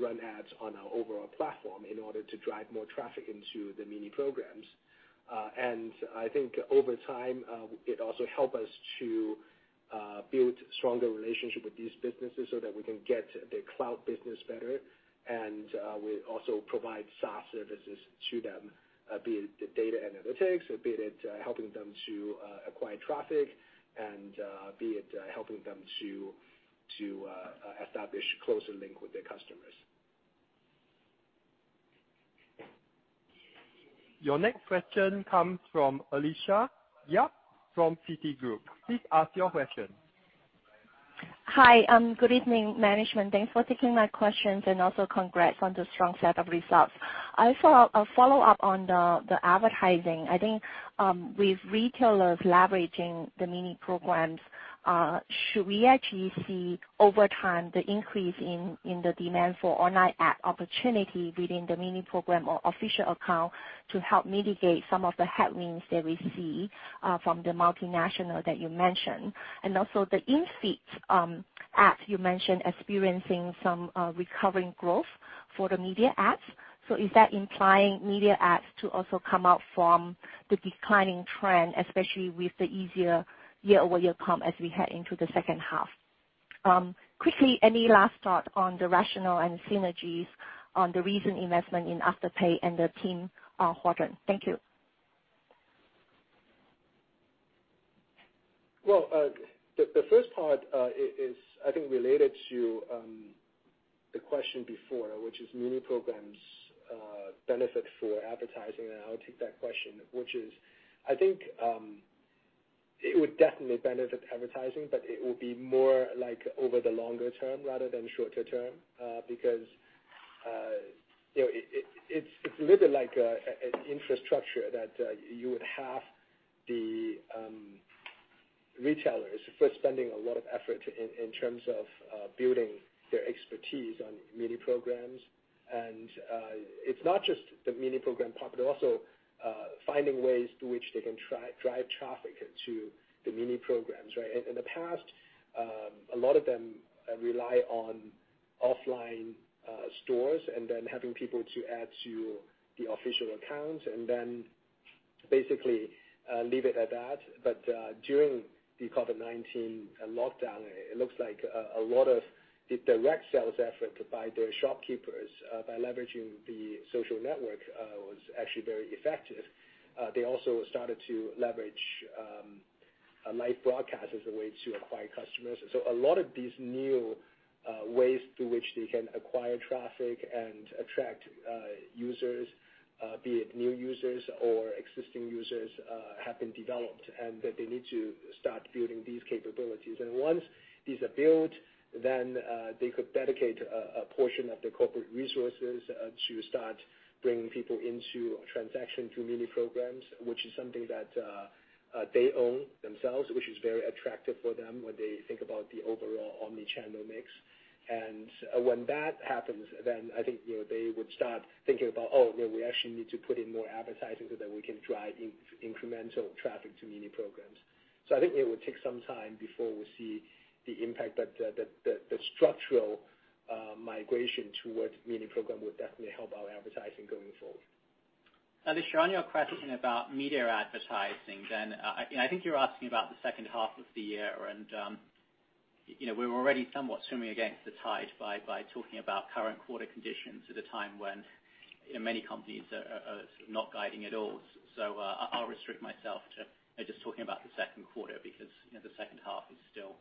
run ads on our overall platform in order to drive more traffic into the Mini Programs. I think over time, it also help us to build stronger relationship with these businesses so that we can get the cloud business better, and we also provide SaaS services to them, be it the data analytics, or be it helping them to acquire traffic, and be it helping them to establish closer link with their customers. Your next question comes from Alicia Yap from Citigroup. Please ask your question. Hi. Good evening, management. Thanks for taking my questions, and also congrats on the strong set of results. Also, a follow-up on the advertising. I think with retailers leveraging the Mini Programs, should we actually see over time the increase in the demand for online ad opportunity within the Mini Program or official account to help mitigate some of the headwinds that we see from the multinational that you mentioned? Also, the in-feed ads you mentioned experiencing some recovering growth for the media ads. Is that implying media ads to also come out from the declining trend, especially with the easier year-over-year comp as we head into the second half? Quickly, any last thought on the rationale and synergies on the recent investment in Afterpay and the Century Huatong? Thank you. Well, the first part is, I think, related to the question before, which is Mini Programs' benefit for advertising, and I'll take that question, which is, I think it would definitely benefit advertising, but it will be more like over the longer term rather than shorter term, because it's a little like an infrastructure that you would have the retailers first spending a lot of effort in terms of building their expertise on Mini Programs. It's not just the Mini Program part, but also finding ways through which they can drive traffic to the Mini Programs, right? In the past, a lot of them rely on offline stores and then having people to add to the official account and then basically leave it at that. During the COVID-19 lockdown, it looks like a lot of the direct sales effort by their shopkeepers, by leveraging the social network, was actually very effective. They also started to leverage live broadcast as a way to acquire customers. A lot of these new ways through which they can acquire traffic and attract users, be it new users or existing users, have been developed, and they need to start building these capabilities. Once these are built, then they could dedicate a portion of their corporate resources to start bringing people into a transaction through Mini Programs, which is something that they own themselves, which is very attractive for them when they think about the overall omni-channel mix. When that happens, then I think they would start thinking about, oh, we actually need to put in more advertising so that we can drive incremental traffic to Mini Programs. I think it will take some time before we see the impact, but the structural migration towards Mini Program would definitely help our advertising going forward. Alicia, on your question about media advertising then, I think you're asking about the second half of the year. We're already somewhat swimming against the tide by talking about current quarter conditions at a time when many companies are sort of not guiding at all. I'll restrict myself to just talking about the second quarter because the second half is still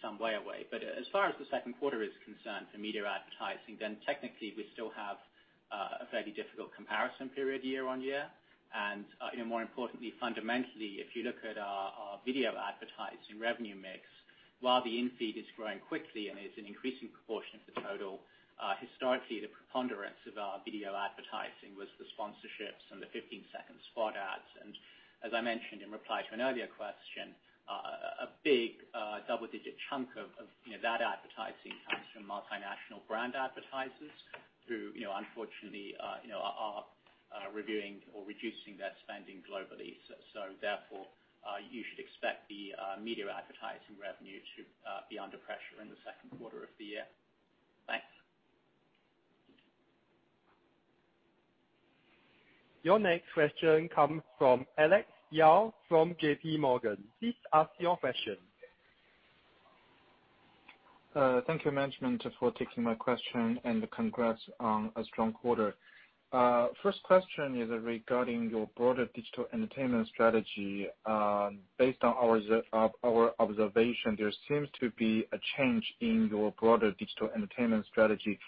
some way away. As far as the second quarter is concerned for media advertising, then technically we still have a fairly difficult comparison period year-on-year. More importantly, fundamentally, if you look at our video advertising revenue mix, while the in-feed is growing quickly and is an increasing proportion of the total, historically, the preponderance of our video advertising was the sponsorships and the 15-second spot ads. As I mentioned in reply to an earlier question, a big double-digit chunk of that advertising comes from multinational brand advertisers who unfortunately are reviewing or reducing their spending globally. Therefore, you should expect the media advertising revenue to be under pressure in the second quarter of the year. Thanks. Your next question comes from Alex Yao from JPMorgan. Please ask your question. Thank you, management, for taking my question and congrats on a strong quarter. First question is regarding your broader digital entertainment strategy. Based on our observation, there seems to be a change in your broader digital entertainment strategy,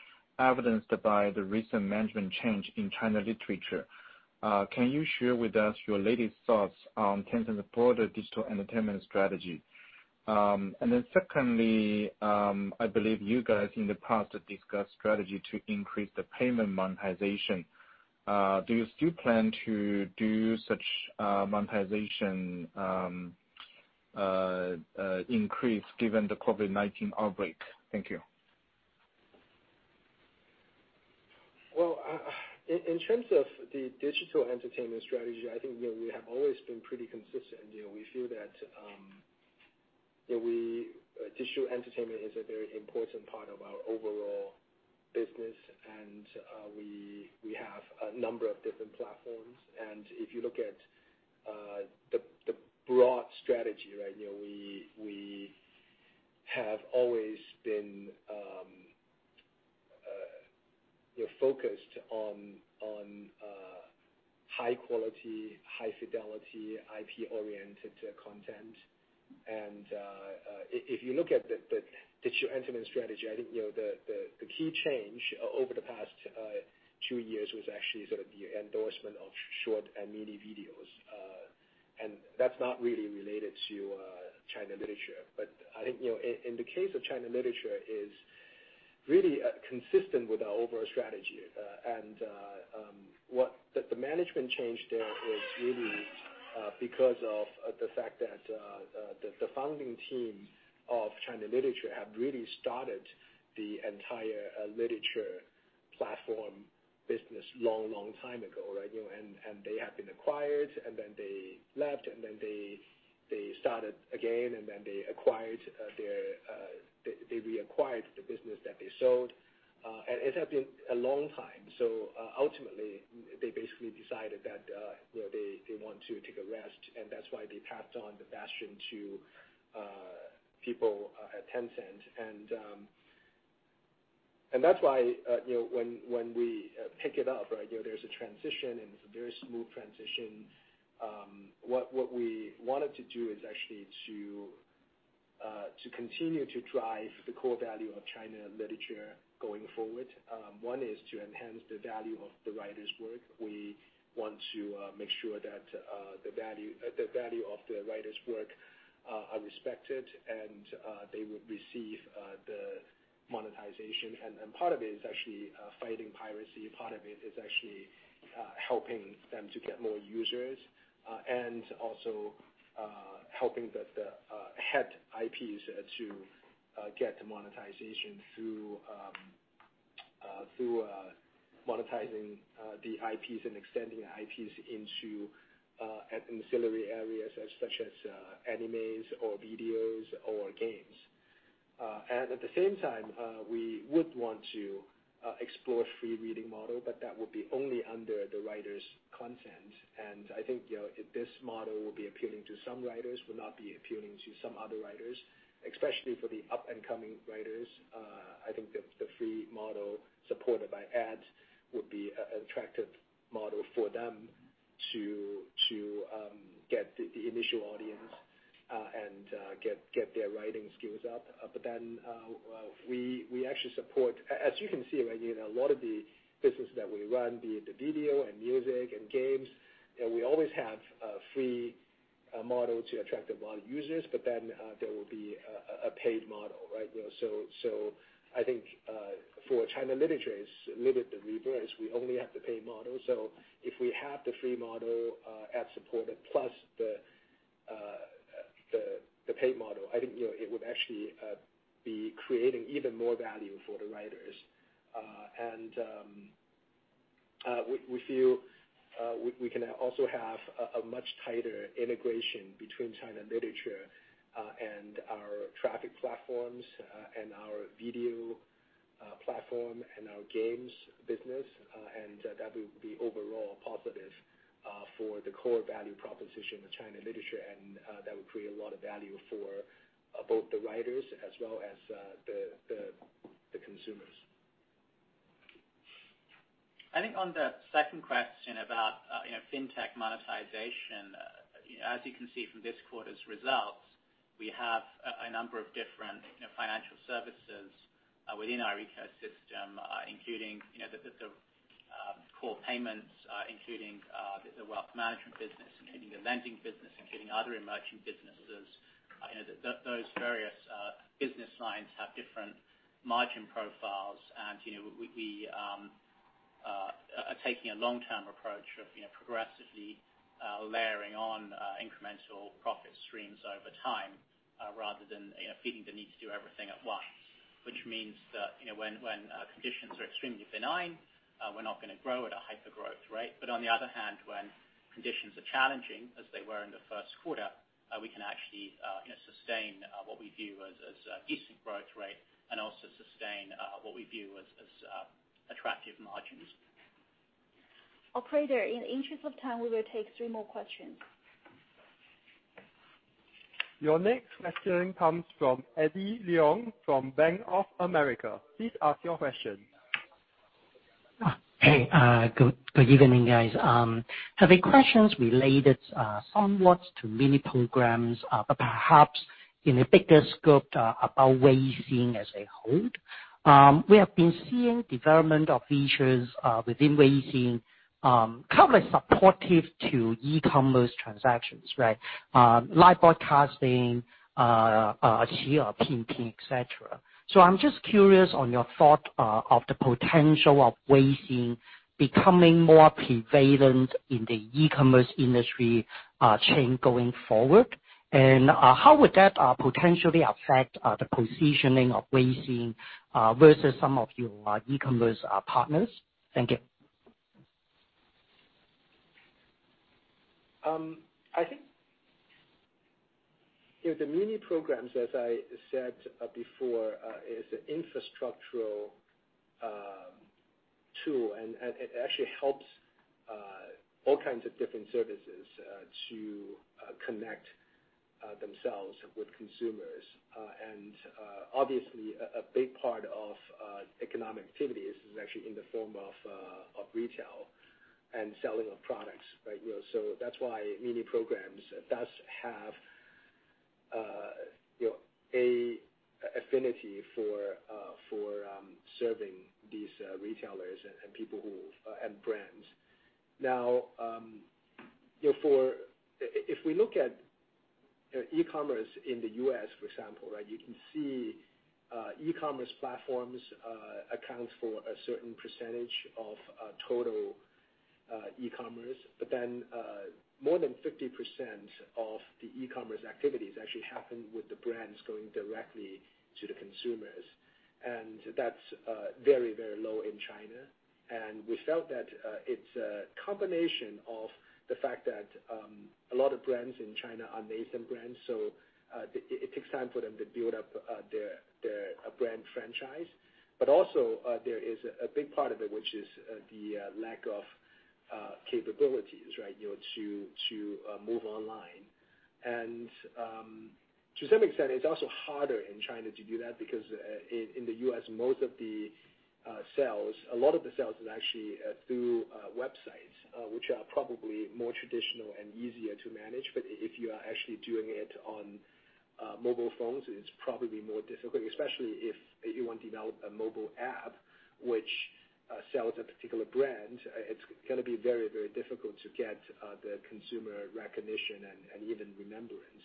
evidenced by the recent management change in China Literature. Can you share with us your latest thoughts on Tencent's broader digital entertainment strategy? Secondly, I believe you guys in the past have discussed strategy to increase the payment monetization. Do you still plan to do such monetization increase given the COVID-19 outbreak? Thank you. Well, in terms of the digital entertainment strategy, I think we have always been pretty consistent. We feel that digital entertainment is a very important part of our overall business, and we have a number of different platforms. If you look at the broad strategy, we have always been focused on high quality, high fidelity, IP-oriented content. If you look at the digital entertainment strategy, I think the key change over the past two years was actually sort of the endorsement of short and mini videos. That's not really related to China Literature. I think, in the case of China Literature, it's really consistent with our overall strategy. The management change there is really because of the fact that the founding team of China Literature have really started the entire literature platform business long time ago. They have been acquired, and then they left, and then they started again, and then they reacquired the business that they sold. It had been a long time. Ultimately, they basically decided that they want to take a rest, and that's why they passed on the baton to people at Tencent. That's why when we pick it up, there's a transition, and it's a very smooth transition. What we wanted to do is actually to continue to drive the core value of China Literature going forward. One is to enhance the value of the writers' work. We want to make sure that the value of the writers' work are respected, and they would receive the monetization. Part of it is actually fighting piracy, part of it is actually helping them to get more users, and also helping the head IPs to get monetization through monetizing the IPs and extending IPs into ancillary areas such as animes or videos or games. At the same time, we would want to explore free reading model, but that would be only under the writer's consent. I think this model will be appealing to some writers, will not be appealing to some other writers, especially for the up-and-coming writers. I think the free model supported by ads would be an attractive model for them to get the initial audience and get their writing skills up. We actually support As you can see, a lot of the business that we run, be it the video and music and games, we always have a free model to attract a lot of users, but then there will be a paid model. I think for China Literature, it's a little bit the reverse. We only have the paid model. If we have the free model ad-supported, plus the paid model, I think it would actually be creating even more value for the writers. We feel we can also have a much tighter integration between China Literature and our traffic platforms and our video platform and our games business. That will be overall positive for the core value proposition of China Literature, and that will create a lot of value for both the writers as well as the consumers. I think on the second question about FinTech monetization, as you can see from this quarter's results, we have a number of different financial services within our ecosystem including the core payments, including the wealth management business, including the lending business, including other emerging businesses. Those various business lines have different margin profiles and we are taking a long-term approach of progressively layering on incremental profit streams over time, rather than feeling the need to do everything at once. Which means that when conditions are extremely benign, we're not going to grow at a hyper-growth rate. On the other hand, when conditions are challenging, as they were in the first quarter, we can actually sustain what we view as a decent growth rate, and also sustain what we view as attractive margins. Operator, in the interest of time, we will take three more questions. Your next question comes from Eddie Leung from Bank of America. Please ask your question. Hey, good evening, guys. Have a questions related somewhat to Mini Programs, but perhaps in a bigger scope about Weixin as a whole. We have been seeing development of features within Weixin, kind of like supportive to e-commerce transactions, right? Live broadcasting, Qie Ping, et cetera. I'm just curious on your thought of the potential of Weixin becoming more prevalent in the e-commerce industry chain going forward. How would that potentially affect the positioning of Weixin versus some of your e-commerce partners? Thank you. I think the Mini Programs, as I said before, is an infrastructural tool and it actually helps all kinds of different services to connect themselves with consumers. Obviously, a big part of economic activity is actually in the form of retail and selling of products, right? That's why Mini Programs does have an affinity for serving these retailers and brands. Now, if we look at e-commerce in the U.S., for example, you can see e-commerce platforms account for a certain % of total e-commerce. More than 50% of the e-commerce activities actually happen with the brands going directly to the consumers. That's very low in China. We felt that it's a combination of the fact that a lot of brands in China are nascent brands, so it takes time for them to build up their brand franchise. Also there is a big part of it, which is the lack of capabilities to move online. To some extent, it's also harder in China to do that because in the U.S. most of the sales, a lot of the sales, is actually through websites which are probably more traditional and easier to manage. If you are actually doing it on mobile phones, it's probably more difficult, especially if you want to develop a mobile app which sells a particular brand. It's going to be very difficult to get the consumer recognition and even remembrance.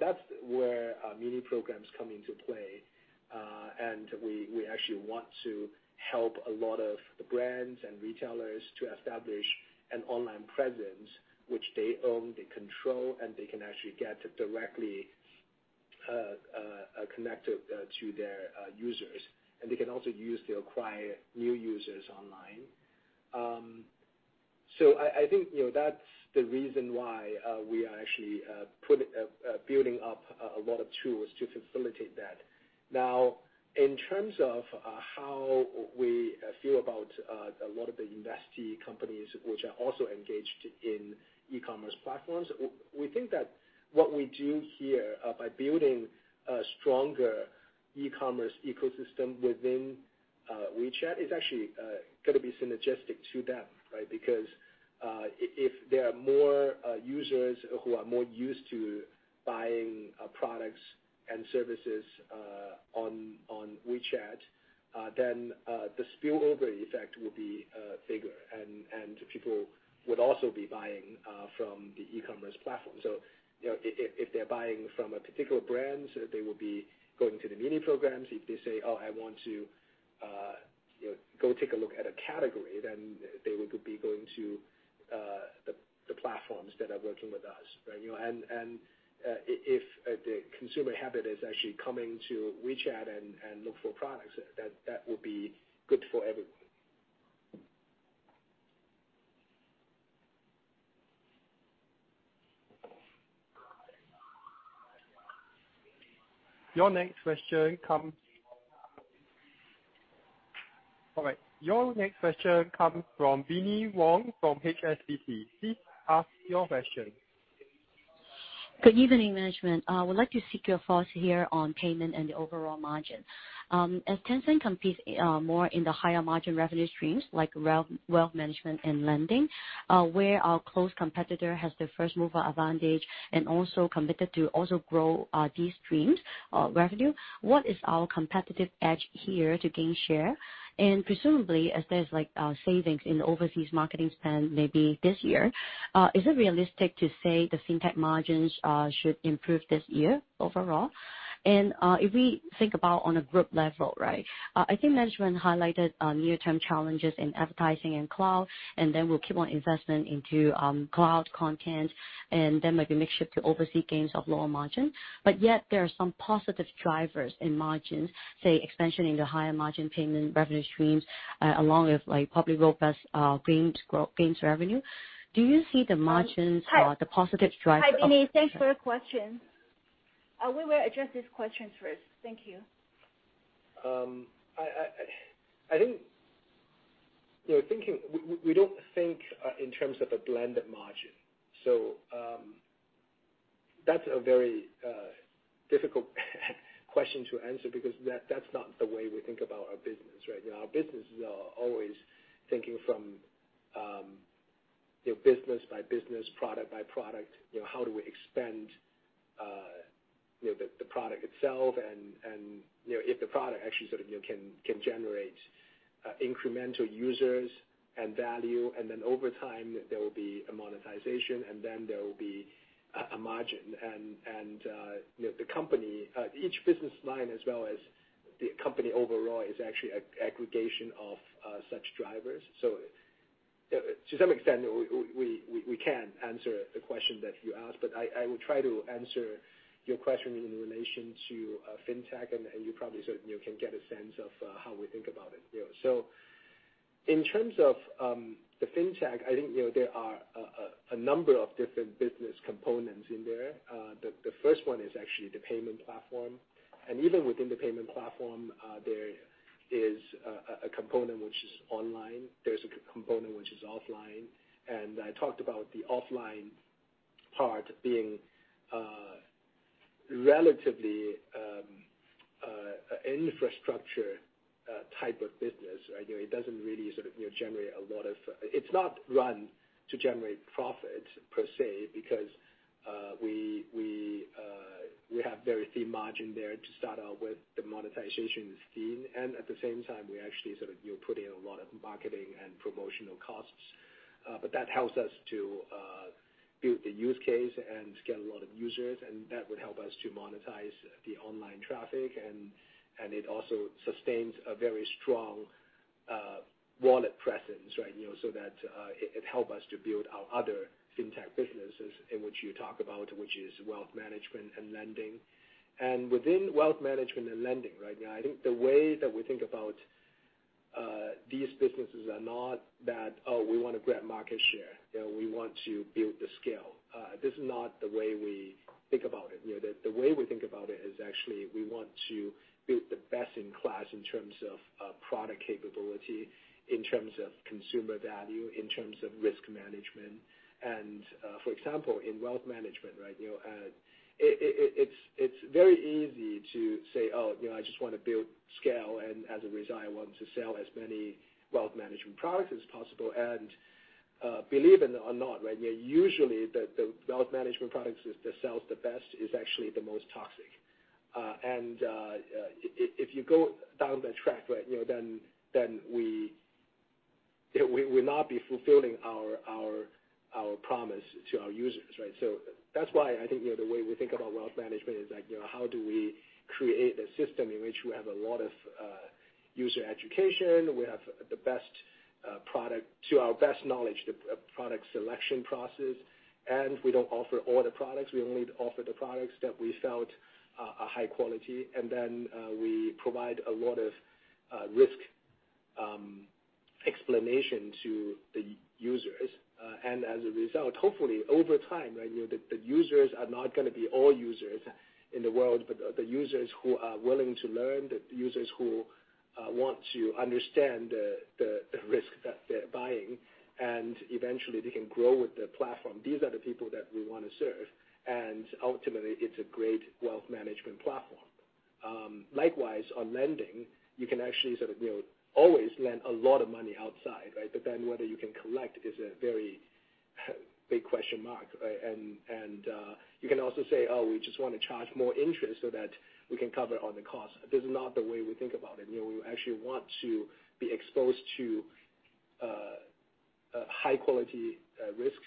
That's where Mini Programs come into play. We actually want to help a lot of the brands and retailers to establish an online presence which they own, they control, and they can actually get directly connected to their users. They can also use to acquire new users online. I think that's the reason why we are actually building up a lot of tools to facilitate that. In terms of how we feel about a lot of the investee companies which are also engaged in e-commerce platforms, we think that what we do here by building a stronger e-commerce ecosystem within WeChat is actually going to be synergistic to them, right? If there are more users who are more used to buying products and services on WeChat, then the spillover effect will be bigger and people would also be buying from the e-commerce platform. If they're buying from a particular brand, they will be going to the Mini Programs. If they say, "Oh, I want to go take a look at a category," then they would be going to the platforms that are working with us, right? If the consumer habit is actually coming to WeChat and look for products, that would be good for everyone. Your next question comes from Binnie Wong from HSBC. Please ask your question. Good evening, management. I would like to seek your thoughts here on payment and the overall margin. As Tencent competes more in the higher-margin revenue streams like wealth management and lending, where our close competitor has the first-mover advantage and also committed to also grow these streams revenue, what is our competitive edge here to gain share? Presumably, as there's savings in overseas marketing spend maybe this year, is it realistic to say the fintech margins should improve this year overall? If we think about on a group level, I think management highlighted near-term challenges in advertising and cloud, we'll keep on investment into cloud content, maybe mix shift to oversee gains of lower margin. Yet there are some positive drivers in margins, say, expansion into higher-margin payment revenue streams, along with probably robust games revenue. Do you see the margins- Hi. The positive driver of- Hi, Wendy. Thanks for your question. We will address this question first. Thank you. I think we don't think in terms of a blended margin. That's a very difficult question to answer because that's not the way we think about our business, right? Our business is always thinking from business by business, product by product. How do we expand the product itself, and if the product actually can generate incremental users and value, and then over time, there will be a monetization, and then there will be a margin. Each business line as well as the company overall is actually aggregation of such drivers. To some extent, we can answer the question that you asked, but I will try to answer your question in relation to Fintech, and you probably can get a sense of how we think about it. In terms of the Fintech, I think there are a number of different business components in there. The first one is actually the payment platform. Even within the payment platform, there is a component which is online, there's a component which is offline. I talked about the offline part being a relatively infrastructure type of business, right? It doesn't really generate a lot. It's not run to generate profit per se because we have very thin margin there to start out with. The monetization is thin, and at the same time, we actually put in a lot of marketing and promotional costs. That helps us to build the use case and get a lot of users, and that would help us to monetize the online traffic, and it also sustains a very strong wallet presence, right? That it help us to build our other Fintech businesses in which you talk about, which is wealth management and lending. Within wealth management and lending right now, I think the way that we think about these businesses are not that, oh, we want to grab market share. We want to build the scale. This is not the way we think about it. The way we think about it is actually we want to build the best in class in terms of product capability, in terms of consumer value, in terms of risk management. For example, in wealth management, right? It's very easy to say, oh, I just want to build scale, and as a result, I want to sell as many wealth management products as possible. Believe it or not, right? Usually, the wealth management products that sells the best is actually the most toxic. If you go down that track, right? We will not be fulfilling our promise to our users, right? That's why I think the way we think about wealth management is like, how do we create a system in which we have a lot of user education, we have the best product, to our best knowledge, the product selection process. We don't offer all the products. We only offer the products that we felt are high quality. Then we provide a lot of risk explanation to the users. As a result, hopefully over time, right, the users are not going to be all users in the world, but the users who are willing to learn, the users who want to understand the risk that they're buying. Eventually they can grow with the platform. These are the people that we want to serve. Ultimately, it's a great wealth management platform. Likewise, on lending, you can actually always lend a lot of money outside, right? Whether you can collect is a very big question mark. You can also say, oh, we just want to charge more interest so that we can cover all the costs. This is not the way we think about it. We actually want to be exposed to high-quality risk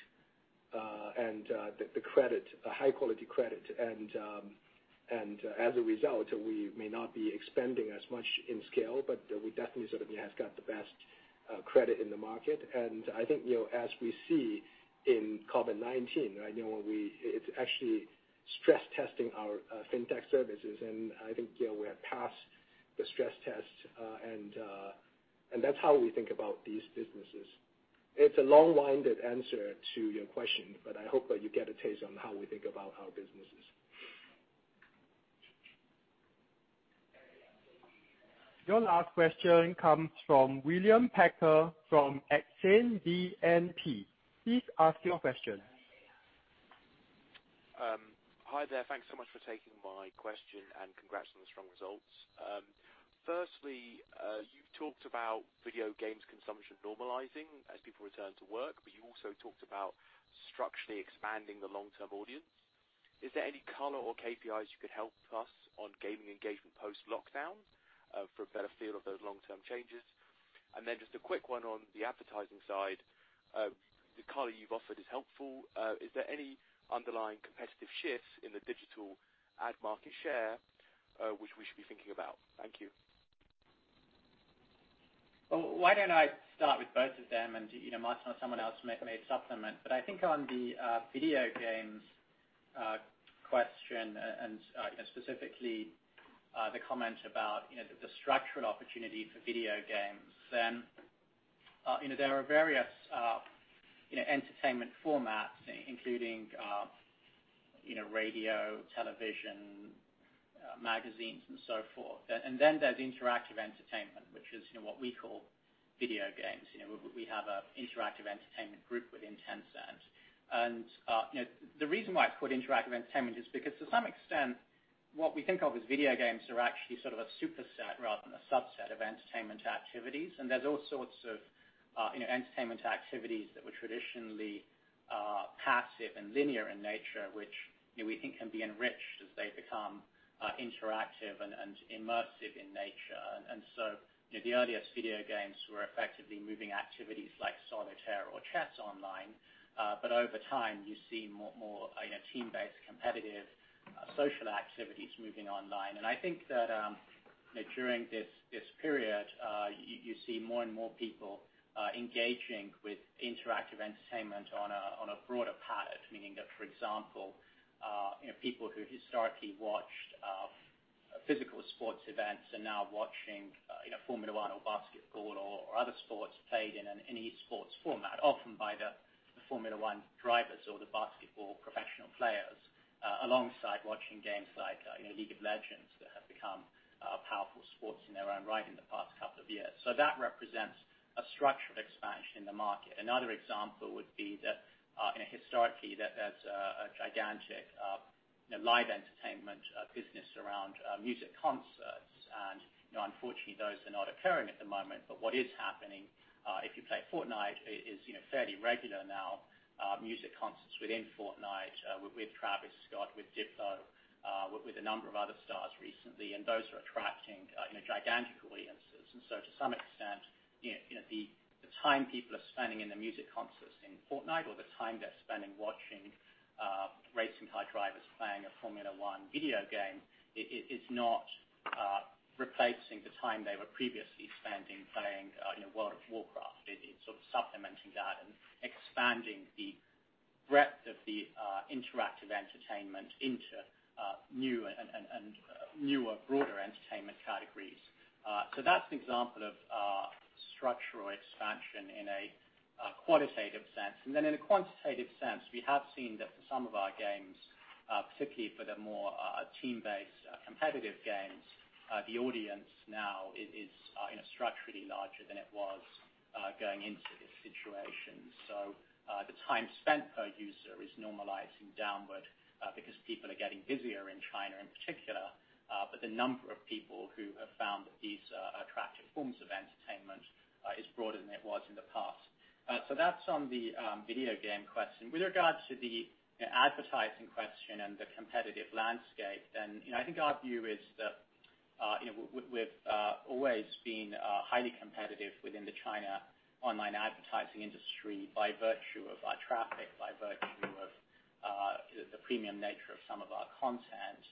and the high-quality credit. As a result, we may not be expanding as much in scale, but we definitely have got the best credit in the market. I think, as we see in COVID-19, right, it's actually stress-testing our Fintech services. I think we have passed the stress test. That's how we think about these businesses. It's a long-winded answer to your question, but I hope that you get a taste on how we think about our businesses. Your last question comes from William Packer from Exane BNP. Please ask your question. Hi there. Thanks so much for taking my question, and congrats on the strong results. Firstly, you talked about video games consumption normalizing as people return to work, but you also talked about structurally expanding the long-term audience. Is there any color or KPIs you could help us on gaming engagement post-lockdown for a better feel of those long-term changes? Just a quick one on the advertising side. The color you've offered is helpful. Is there any underlying competitive shifts in the digital ad market share, which we should be thinking about? Thank you. Well, why don't I start with both of them, and Martin or someone else may supplement. I think on the video games question and specifically the comment about the structural opportunity for video games, there are various entertainment formats including radio, television, magazines, and so forth. There's interactive entertainment, which is what we call video games. We have an interactive entertainment group within Tencent. The reason why it's called interactive entertainment is because to some extent, what we think of as video games are actually sort of a superset rather than a subset of entertainment activities. There's all sorts of entertainment activities that were traditionally passive and linear in nature, which we think can be enriched as they become interactive and immersive in nature. The earliest video games were effectively moving activities like solitaire or chess online. Over time, you see more team-based competitive social activities moving online. I think that during this period, you see more and more people engaging with interactive entertainment on a broader palette, meaning that, for example people who historically watched physical sports events are now watching Formula One or basketball or other sports played in an e-sports format, often by the Formula One drivers or the basketball professional players, alongside watching games like League of Legends that have become powerful sports in their own right in the past couple of years. That represents a structural expansion in the market. Another example would be that historically, there's a gigantic live entertainment business around music concerts, and unfortunately, those are not occurring at the moment. What is happening, if you play Fortnite, is fairly regular now music concerts within Fortnite, with Travis Scott, with Diplo, with a number of other stars recently, and those are attracting gigantic audiences. To some extent, the time people are spending in the music concerts in Fortnite or the time they're spending watching racing car drivers playing a Formula One video game, is not replacing the time they were previously spending playing World of Warcraft. It is sort of supplementing that and expanding the breadth of the interactive entertainment into newer, broader entertainment categories. That's an example of structural expansion in a qualitative sense. In a quantitative sense, we have seen that for some of our games, particularly for the more team-based competitive games, the audience now is structurally larger than it was going into this situation. The time spent per user is normalizing downward because people are getting busier in China in particular. The number of people who have found these attractive forms of entertainment is broader than it was in the past. That's on the video game question. With regards to the advertising question and the competitive landscape, then I think our view is that we've always been highly competitive within the China online advertising industry by virtue of our traffic, by virtue of the premium nature of some of our content.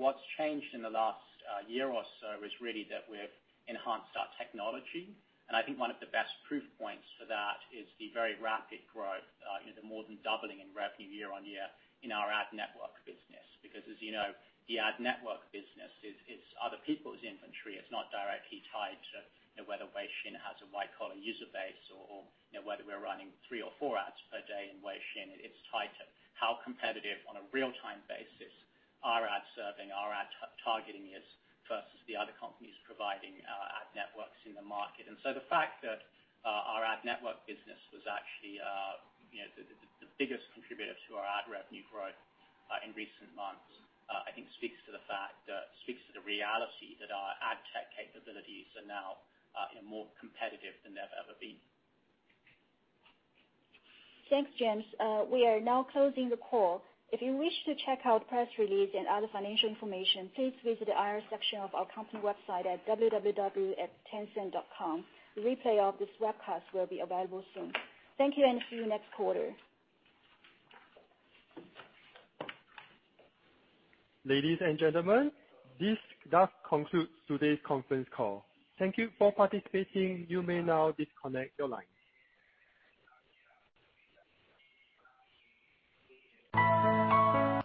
What's changed in the last year or so is really that we've enhanced our technology, and I think one of the best proof points for that is the very rapid growth, the more than doubling in revenue year-on-year in our ad network business. As you know, the ad network business, it's other people's inventory. It's not directly tied to whether WeChat has a white collar user base or whether we're running three or four ads per day in WeChat. It's tied to how competitive on a real-time basis our ad serving, our ad targeting is versus the other companies providing ad networks in the market. The fact that our ad network business was actually the biggest contributor to our ad revenue growth in recent months I think speaks to the reality that our ad tech capabilities are now more competitive than they've ever been. Thanks, James. We are now closing the call. If you wish to check out press release and other financial information, please visit the IR section of our company website at www.tencent.com. The replay of this webcast will be available soon. Thank you, and see you next quarter. Ladies and gentlemen, this does conclude today's conference call. Thank you for participating. You may now disconnect your line.